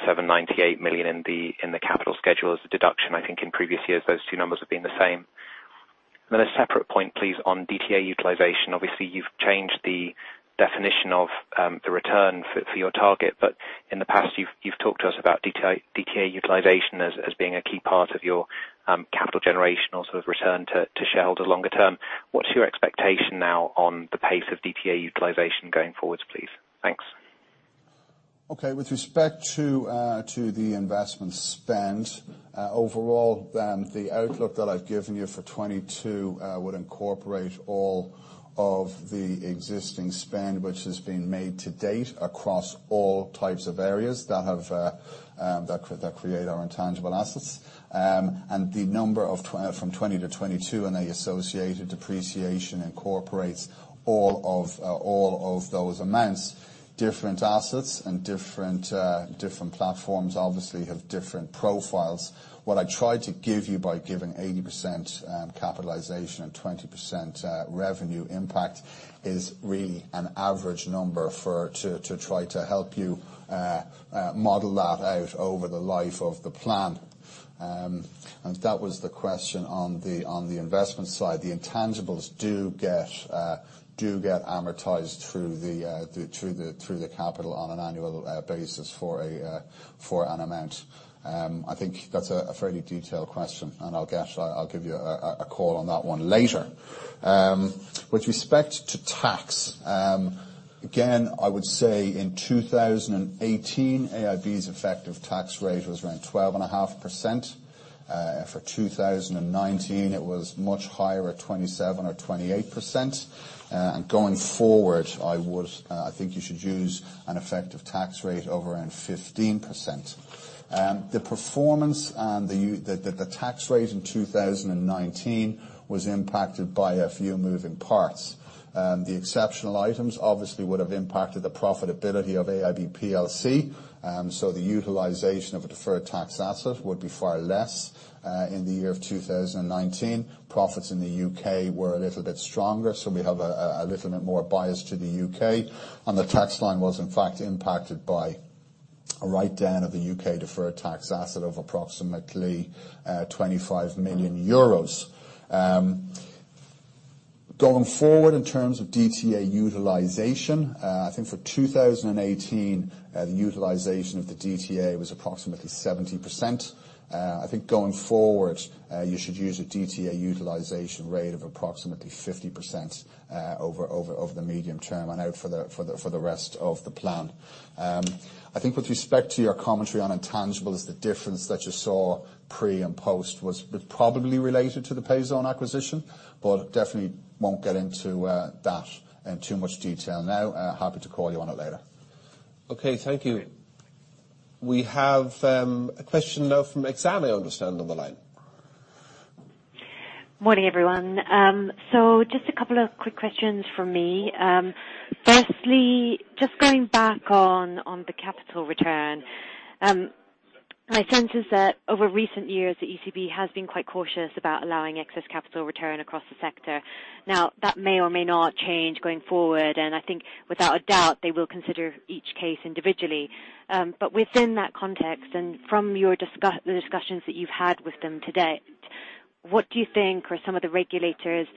798 million in the capital schedule as a deduction. I think in previous years, those two numbers have been the same. A separate point, please, on DTA utilization. Obviously, you've changed the definition of the return for your target, but in the past you've talked to us about DTA utilization as being a key part of your capital generation or sort of return to shareholders longer term. What's your expectation now on the pace of DTA utilization going forward, please? Thanks. Okay. With respect to the investment spend, overall, the outlook that I've given you for 2022 would incorporate all of the existing spend which has been made to date across all types of areas that create our intangible assets. The number from 2020 to 2022, and the associated depreciation incorporates all of those amounts. Different assets and different platforms obviously have different profiles. What I tried to give you by giving 80% capitalization and 20% revenue impact is really an average number to try to help you model that out over the life of the plan. That was the question on the investment side. The intangibles do get amortized through the capital on an annual basis for an amount. I think that's a fairly detailed question, and I'll give you a call on that one later. With respect to tax, again, I would say in 2018, AIB's effective tax rate was around 12.5%. For 2019, it was much higher at 27% or 28%. Going forward, I think you should use an effective tax rate of around 15%. The performance and the tax rate in 2019 was impacted by a few moving parts. The exceptional items obviously would have impacted the profitability of AIB PLC, so the utilization of a deferred tax asset would be far less in the year of 2019. Profits in the U.K. were a little bit stronger, so we have a little bit more bias to the U.K., and the tax line was, in fact, impacted by a write-down of the U.K. deferred tax asset of approximately EUR 25 million. Going forward, in terms of DTA utilization, I think for 2018, the utilization of the DTA was approximately 70%. I think going forward, you should use a DTA utilization rate of approximately 50% over the medium term and out for the rest of the plan. I think with respect to your commentary on intangibles, the difference that you saw pre and post was probably related to the Payzone acquisition, definitely won't get into that in too much detail now. Happy to call you on it later. Okay. Thank you. We have a question now from Examiners on the line. Morning, everyone. Just a couple of quick questions from me. Firstly, just going back on the capital return. My sense is that over recent years, the ECB has been quite cautious about allowing excess capital return across the sector. Now, that may or may not change going forward, and I think without a doubt they will consider each case individually. But within that context and from the discussions that you've had with them to date, what do you think are some of the regulators'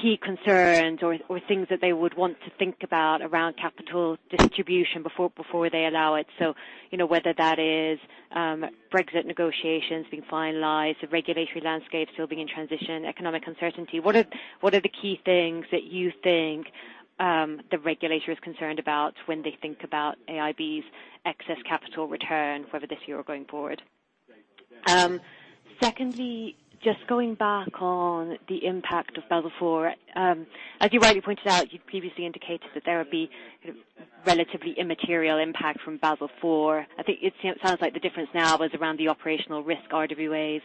key concerns or things that they would want to think about around capital distribution before they allow it? Whether that is Brexit negotiations being finalized, the regulatory landscape still being in transition, economic uncertainty. What are the key things that you think the regulator is concerned about when they think about AIB's excess capital return, whether this year or going forward? Just going back on the impact of Basel IV. As you rightly pointed out, you previously indicated that there would be relatively immaterial impact from Basel IV. I think it sounds like the difference now was around the operational risk RWAs.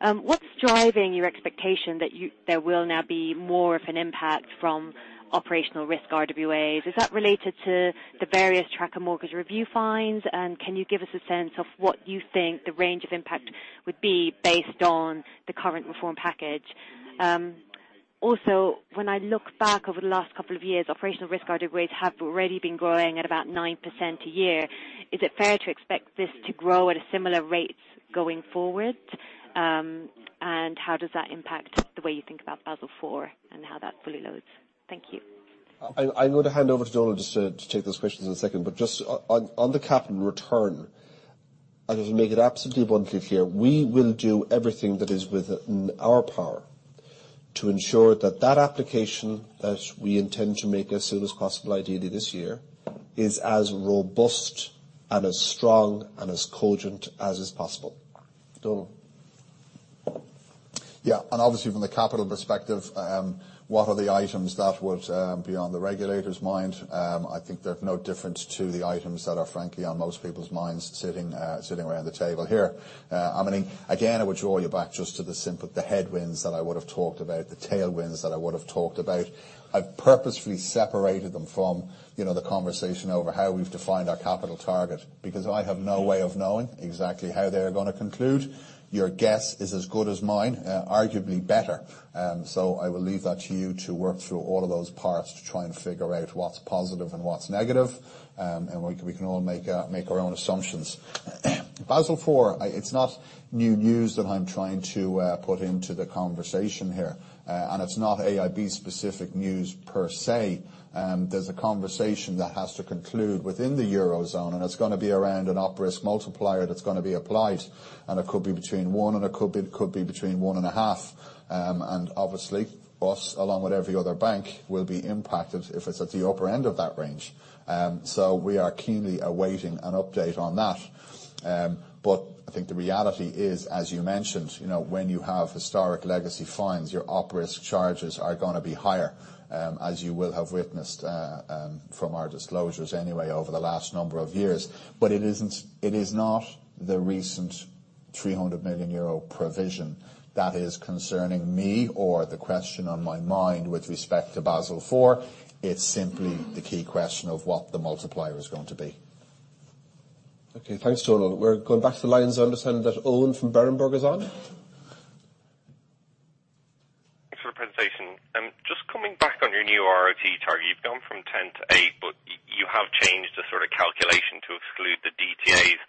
What's driving your expectation that there will now be more of an impact from operational risk RWAs? Is that related to the various tracker mortgage review finds? Can you give us a sense of what you think the range of impact would be based on the current reform package? When I look back over the last couple of years, operational risk RWA grades have already been growing at about 9% a year. Is it fair to expect this to grow at similar rates going forward? How does that impact the way you think about Basel IV and how that fully loads? Thank you. I'm going to hand over to Donal just to take those questions in a second. Just on the capital return, I'll just make it absolutely bluntly clear, we will do everything that is within our power to ensure that that application, as we intend to make as soon as possible, ideally this year, is as robust and as strong and as cogent as is possible. Donal. Yeah. Obviously from the capital perspective, what are the items that would be on the regulator's mind? I think they're no different to the items that are frankly on most people's minds sitting around the table here. I mean, again, I would draw you back just to the simple, the headwinds that I would have talked about, the tailwinds that I would have talked about. I've purposefully separated them from the conversation over how we've defined our capital target, because I have no way of knowing exactly how they're going to conclude. Your guess is as good as mine, arguably better. I will leave that to you to work through all of those parts to try and figure out what's positive and what's negative, and we can all make our own assumptions. Basel IV, it's not new news that I'm trying to put into the conversation here. It's not AIB-specific news per se. There's a conversation that has to conclude within the Eurozone, and it's going to be around an op risk multiplier that's going to be applied, and it could be between one and a half. Obviously, us, along with every other bank, will be impacted if it's at the upper end of that range. We are keenly awaiting an update on that. I think the reality is, as you mentioned, when you have historic legacy fines, your op risk charges are going to be higher, as you will have witnessed from our disclosures anyway over the last number of years. It is not the recent 300 million euro provision that is concerning me or the question on my mind with respect to Basel IV. It's simply the key question of what the multiplier is going to be. Okay, thanks, Donal. We're going back to the lines. I understand that Owen from Berenberg is on. Thanks for the presentation. Coming back on your new ROTE target. You've gone from 10 to eight. You have changed the sort of calculation to exclude the DTAs.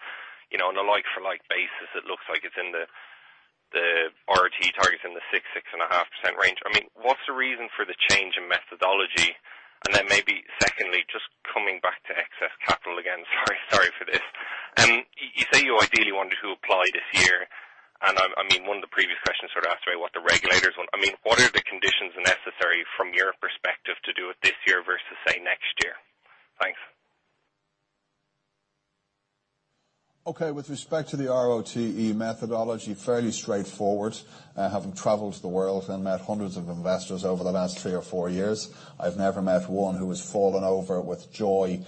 On a like-for-like basis, it looks like it's in the ROTE target's in the six and a half % range. What's the reason for the change in methodology? Maybe secondly, coming back to excess capital again, sorry for this. You say you ideally wanted to apply this year. One of the previous questions sort of asked about what the regulators want. What are the conditions necessary from your perspective to do it this year versus, say, next year? Thanks. Okay, with respect to the ROTE methodology, fairly straightforward. Having traveled the world and met hundreds of investors over the last three or four years, I've never met one who has fallen over with joy,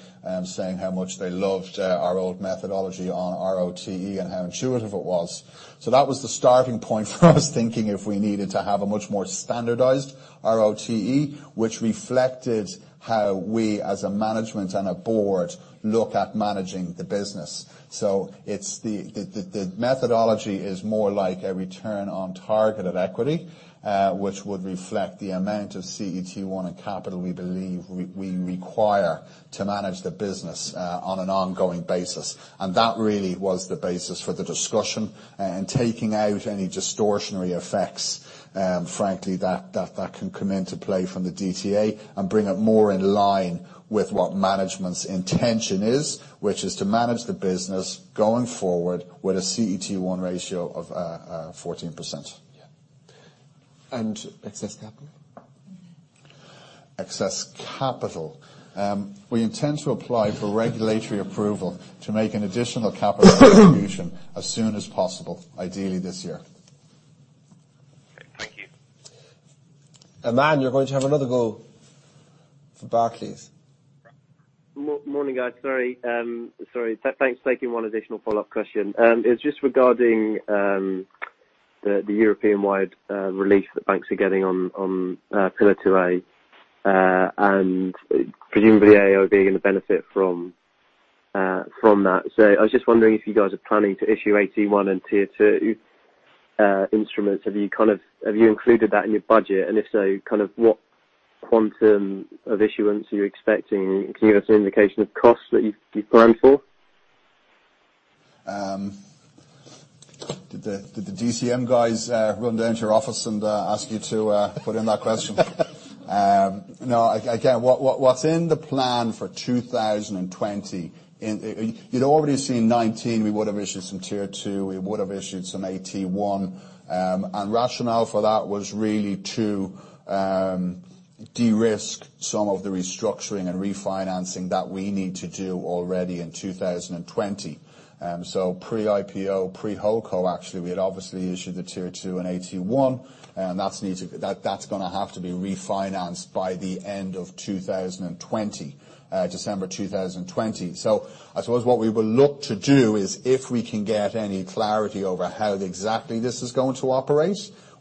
saying how much they loved our old methodology on ROTE and how intuitive it was. That was the starting point for us thinking if we needed to have a much more standardized ROTE, which reflected how we, as a management and a board, look at managing the business. The methodology is more like a return on target of equity, which would reflect the amount of CET1 and capital we believe we require to manage the business on an ongoing basis. That really was the basis for the discussion, and taking out any distortionary effects, frankly, that can come into play from the DTA and bring it more in line with what management's intention is, which is to manage the business going forward with a CET1 ratio of 14%. Yeah. Excess capital? Excess capital. We intend to apply for regulatory approval to make an additional capital distribution as soon as possible, ideally this year. Thank you. Aman, you're going to have another go for Barclays. Morning, guys. Sorry. Thanks, taking one additional follow-up question. It is just regarding the European-wide relief that banks are getting on Pillar 2A. Presumably AIB are going to benefit from that. I was just wondering if you guys are planning to issue AT1 and Tier 2 instruments. Have you included that in your budget? If so, what quantum of issuance are you expecting? Can you give us an indication of costs that you have planned for? Did the DCM guys run down to your office and ask you to put in that question? Again, what's in the plan for 2020, you'd already seen 2019, we would have issued some Tier 2, we would have issued some AT1. Rationale for that was really to de-risk some of the restructuring and refinancing that we need to do already in 2020. Pre-IPO, pre-HoldCo, actually, we had obviously issued the Tier 2 and AT1, and that's going to have to be refinanced by the end of 2020, December 2020. I suppose what we will look to do is if we can get any clarity over how exactly this is going to operate,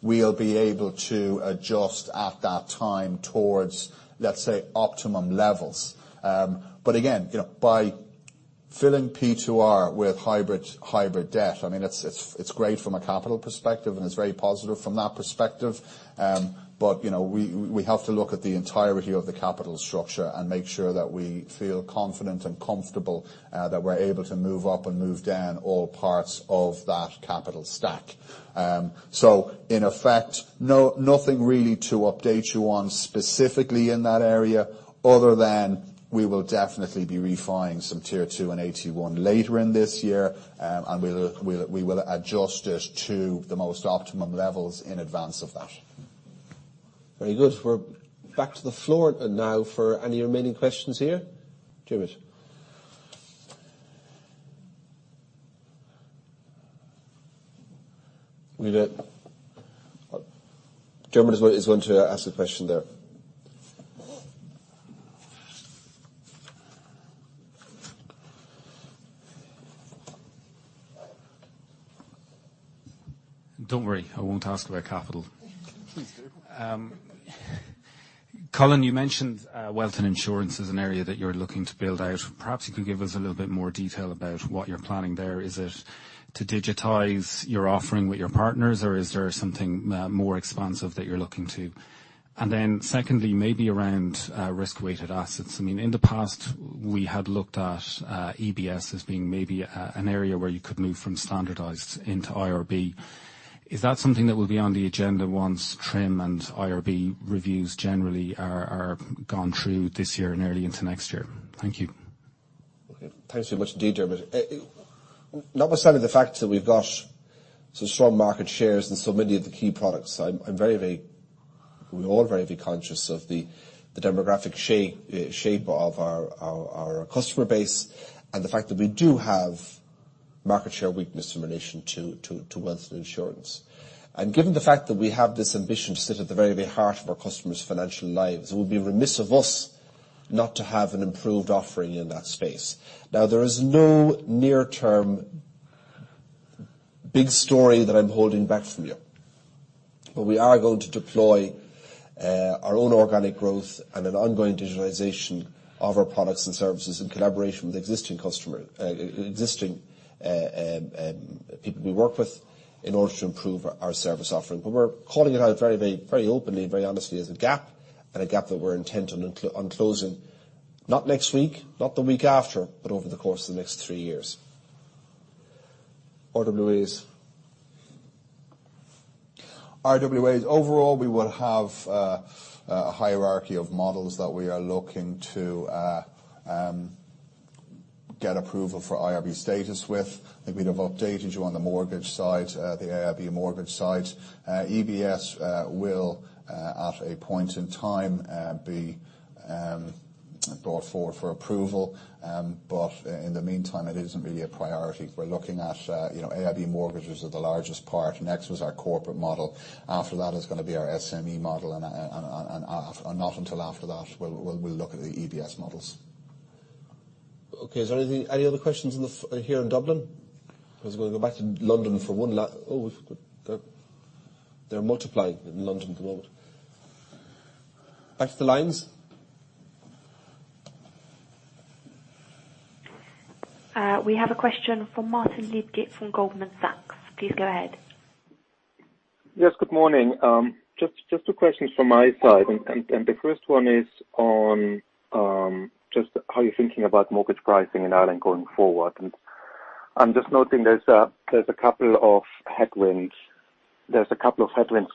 we'll be able to adjust at that time towards, let's say, optimum levels. Again, filling P2R with hybrid debt, I mean, it's great from a capital perspective, and it's very positive from that perspective. We have to look at the entirety of the capital structure and make sure that we feel confident and comfortable that we're able to move up and move down all parts of that capital stack. In effect, nothing really to update you on specifically in that area other than we will definitely be refining some Tier 2 and AT1 later in this year, and we will adjust it to the most optimum levels in advance of that. Very good. We are back to the floor now for any remaining questions here. Diarmaid. Diarmaid is going to ask a question there. Don't worry, I won't ask about capital. Please do. Colin, you mentioned wealth and insurance as an area that you're looking to build out. Perhaps you can give us a little bit more detail about what you're planning there. Is it to digitize your offering with your partners, or is there something more expansive that you're looking to? Secondly, maybe around Risk-Weighted Assets. In the past, we had looked at EBS as being maybe an area where you could move from standardized into IRB. Is that something that will be on the agenda once TRIM and IRB reviews generally are gone through this year and early into next year? Thank you. Okay. Thanks very much indeed, Diarmaid. Notwithstanding the fact that we've got some strong market shares in so many of the key products, we're all very conscious of the demographic shape of our customer base and the fact that we do have market share weakness in relation to wealth and insurance. Given the fact that we have this ambition to sit at the very heart of our customers' financial lives, it would be remiss of us not to have an improved offering in that space. Now, there is no near-term big story that I'm holding back from you. We are going to deploy our own organic growth and an ongoing digitization of our products and services in collaboration with existing people we work with in order to improve our service offering. We're calling it out very openly and very honestly as a gap, and a gap that we're intent on closing, not next week, not the week after, but over the course of the next three years. RWAs. RWAs. Overall, we will have a hierarchy of models that we are looking to get approval for IRB status with. I think we'd have updated you on the AIB mortgage side. EBS will, at a point in time, be brought forward for approval. In the meantime, it isn't really a priority. We're looking at AIB mortgages are the largest part. Next was our corporate model. After that is going to be our SME model, and not until after that we'll look at the EBS models. Okay. Is there any other questions here in Dublin? We're going to go back to London for one last Oh, they're multiplying in London at the moment. Back to the lines. We have a question from Martin Leitgeb from Goldman Sachs. Please go ahead. Yes, good morning. Just two questions from my side. The first one is on just how you're thinking about mortgage pricing in Ireland going forward. I'm just noting there's a couple of headwinds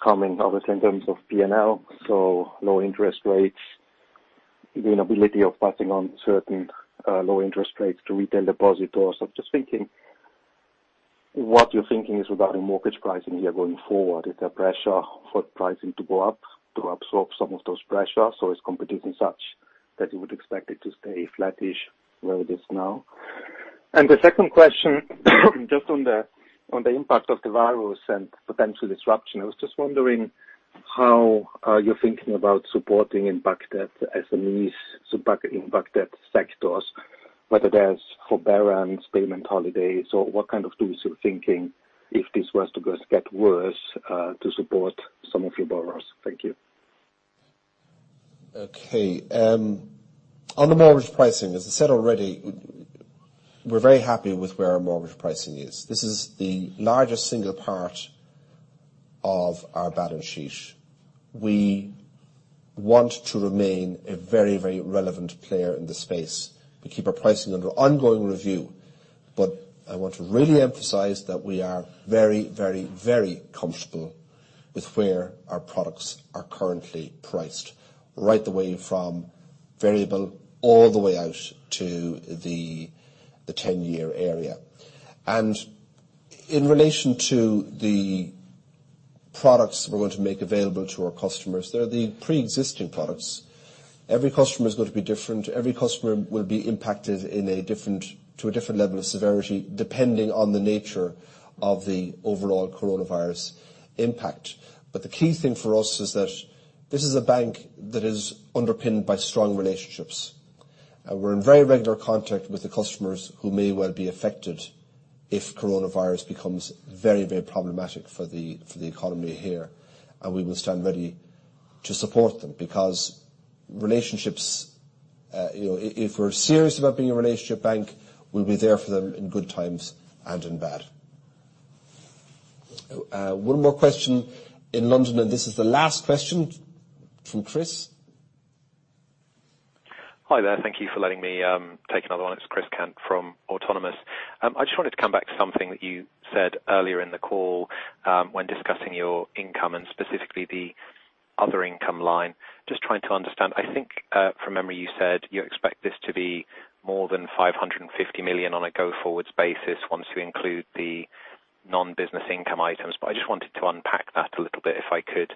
coming, obviously, in terms of P&L, so low interest rates, the inability of passing on certain low interest rates to retail depositors. I'm just thinking what your thinking is regarding mortgage pricing here going forward. Is there pressure for pricing to go up to absorb some of those pressures, or is competition such that you would expect it to stay flat-ish where it is now? The second question, just on the impact of the virus and potential disruption, I was just wondering how are you thinking about supporting impact debt, SMEs, impact debt sectors, whether that's forbearance, payment holidays, or what kind of tools you're thinking if this was to get worse, to support some of your borrowers. Thank you. Okay. On the mortgage pricing, as I said already, we're very happy with where our mortgage pricing is. This is the largest single part of our balance sheet. We want to remain a very relevant player in this space, but keep our pricing under ongoing review. I want to really emphasize that we are very comfortable with where our products are currently priced, right the way from variable all the way out to the 10-year area. In relation to the products that we're going to make available to our customers, they're the preexisting products. Every customer is going to be different. Every customer will be impacted to a different level of severity, depending on the nature of the overall coronavirus impact. The key thing for us is that this is a bank that is underpinned by strong relationships. We're in very regular contact with the customers who may well be affected if coronavirus becomes very problematic for the economy here, and we will stand ready to support them because relationships, if we're serious about being a relationship bank, we'll be there for them in good times and in bad. One more question in London, and this is the last question, from Chris. Hi there. Thank you for letting me take another one. It's Chris Cant from Autonomous. I just wanted to come back to something that you said earlier in the call when discussing your income, and specifically the other income line. Just trying to understand, I think from memory, you said you expect this to be more than 550 million on a go-forwards basis once we include the non-business income items. I just wanted to unpack that a little bit, if I could.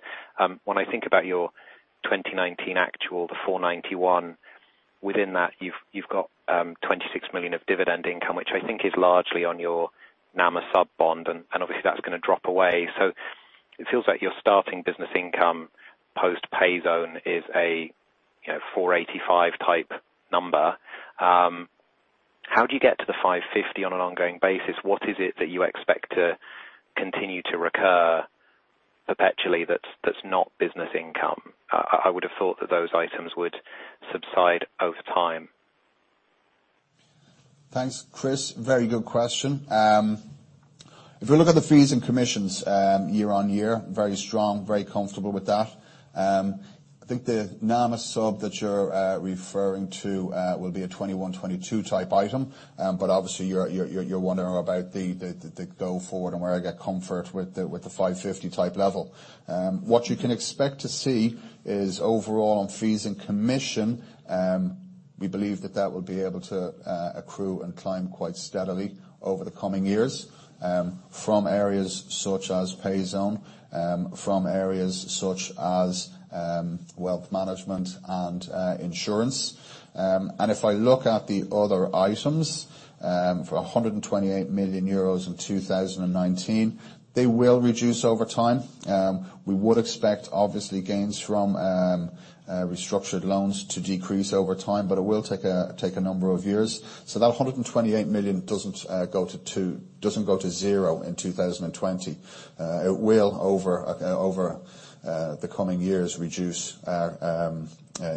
When I think about your 2019 actual, the 491, within that, you've got 26 million of dividend income, which I think is largely on your NAMA sub bond, and obviously, that's going to drop away. It feels like your starting business income, post Payzone is a EUR 485-type number. How do you get to the 550 on an ongoing basis? What is it that you expect to continue to recur perpetually that's not business income? I would have thought that those items would subside over time. Thanks, Chris. Very good question. If we look at the fees and commissions year-over-year, very strong, very comfortable with that. I think the NAMA sub that you're referring to will be a 2021, 2022 type item, but obviously you're wondering about the go forward and where I get comfort with the 550 type level. What you can expect to see is overall on fees and commission, we believe that that will be able to accrue and climb quite steadily over the coming years from areas such as Payzone, from areas such as wealth management and insurance. If I look at the other items for 128 million euros in 2019, they will reduce over time. We would expect, obviously, gains from restructured loans to decrease over time, but it will take a number of years. That 128 million doesn't go to zero in 2020. It will over the coming years reduce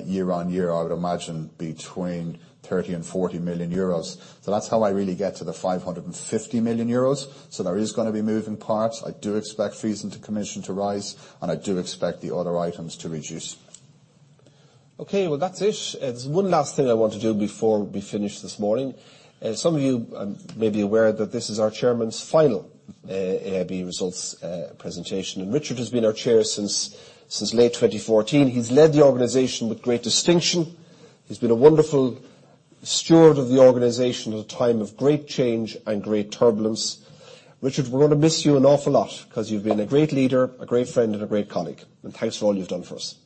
year on year, I would imagine between 30 million and 40 million euros. That's how I really get to the 550 million euros. There is going to be moving parts. I do expect fees and commission to rise, and I do expect the other items to reduce. That's it. There's one last thing I want to do before we finish this morning. Some of you may be aware that this is our chairman's final AIB results presentation. Richard has been our chair since late 2014. He's led the organization with great distinction. He's been a wonderful steward of the organization at a time of great change and great turbulence. Richard, we're going to miss you an awful lot because you've been a great leader, a great friend, and a great colleague. Thanks for all you've done for us.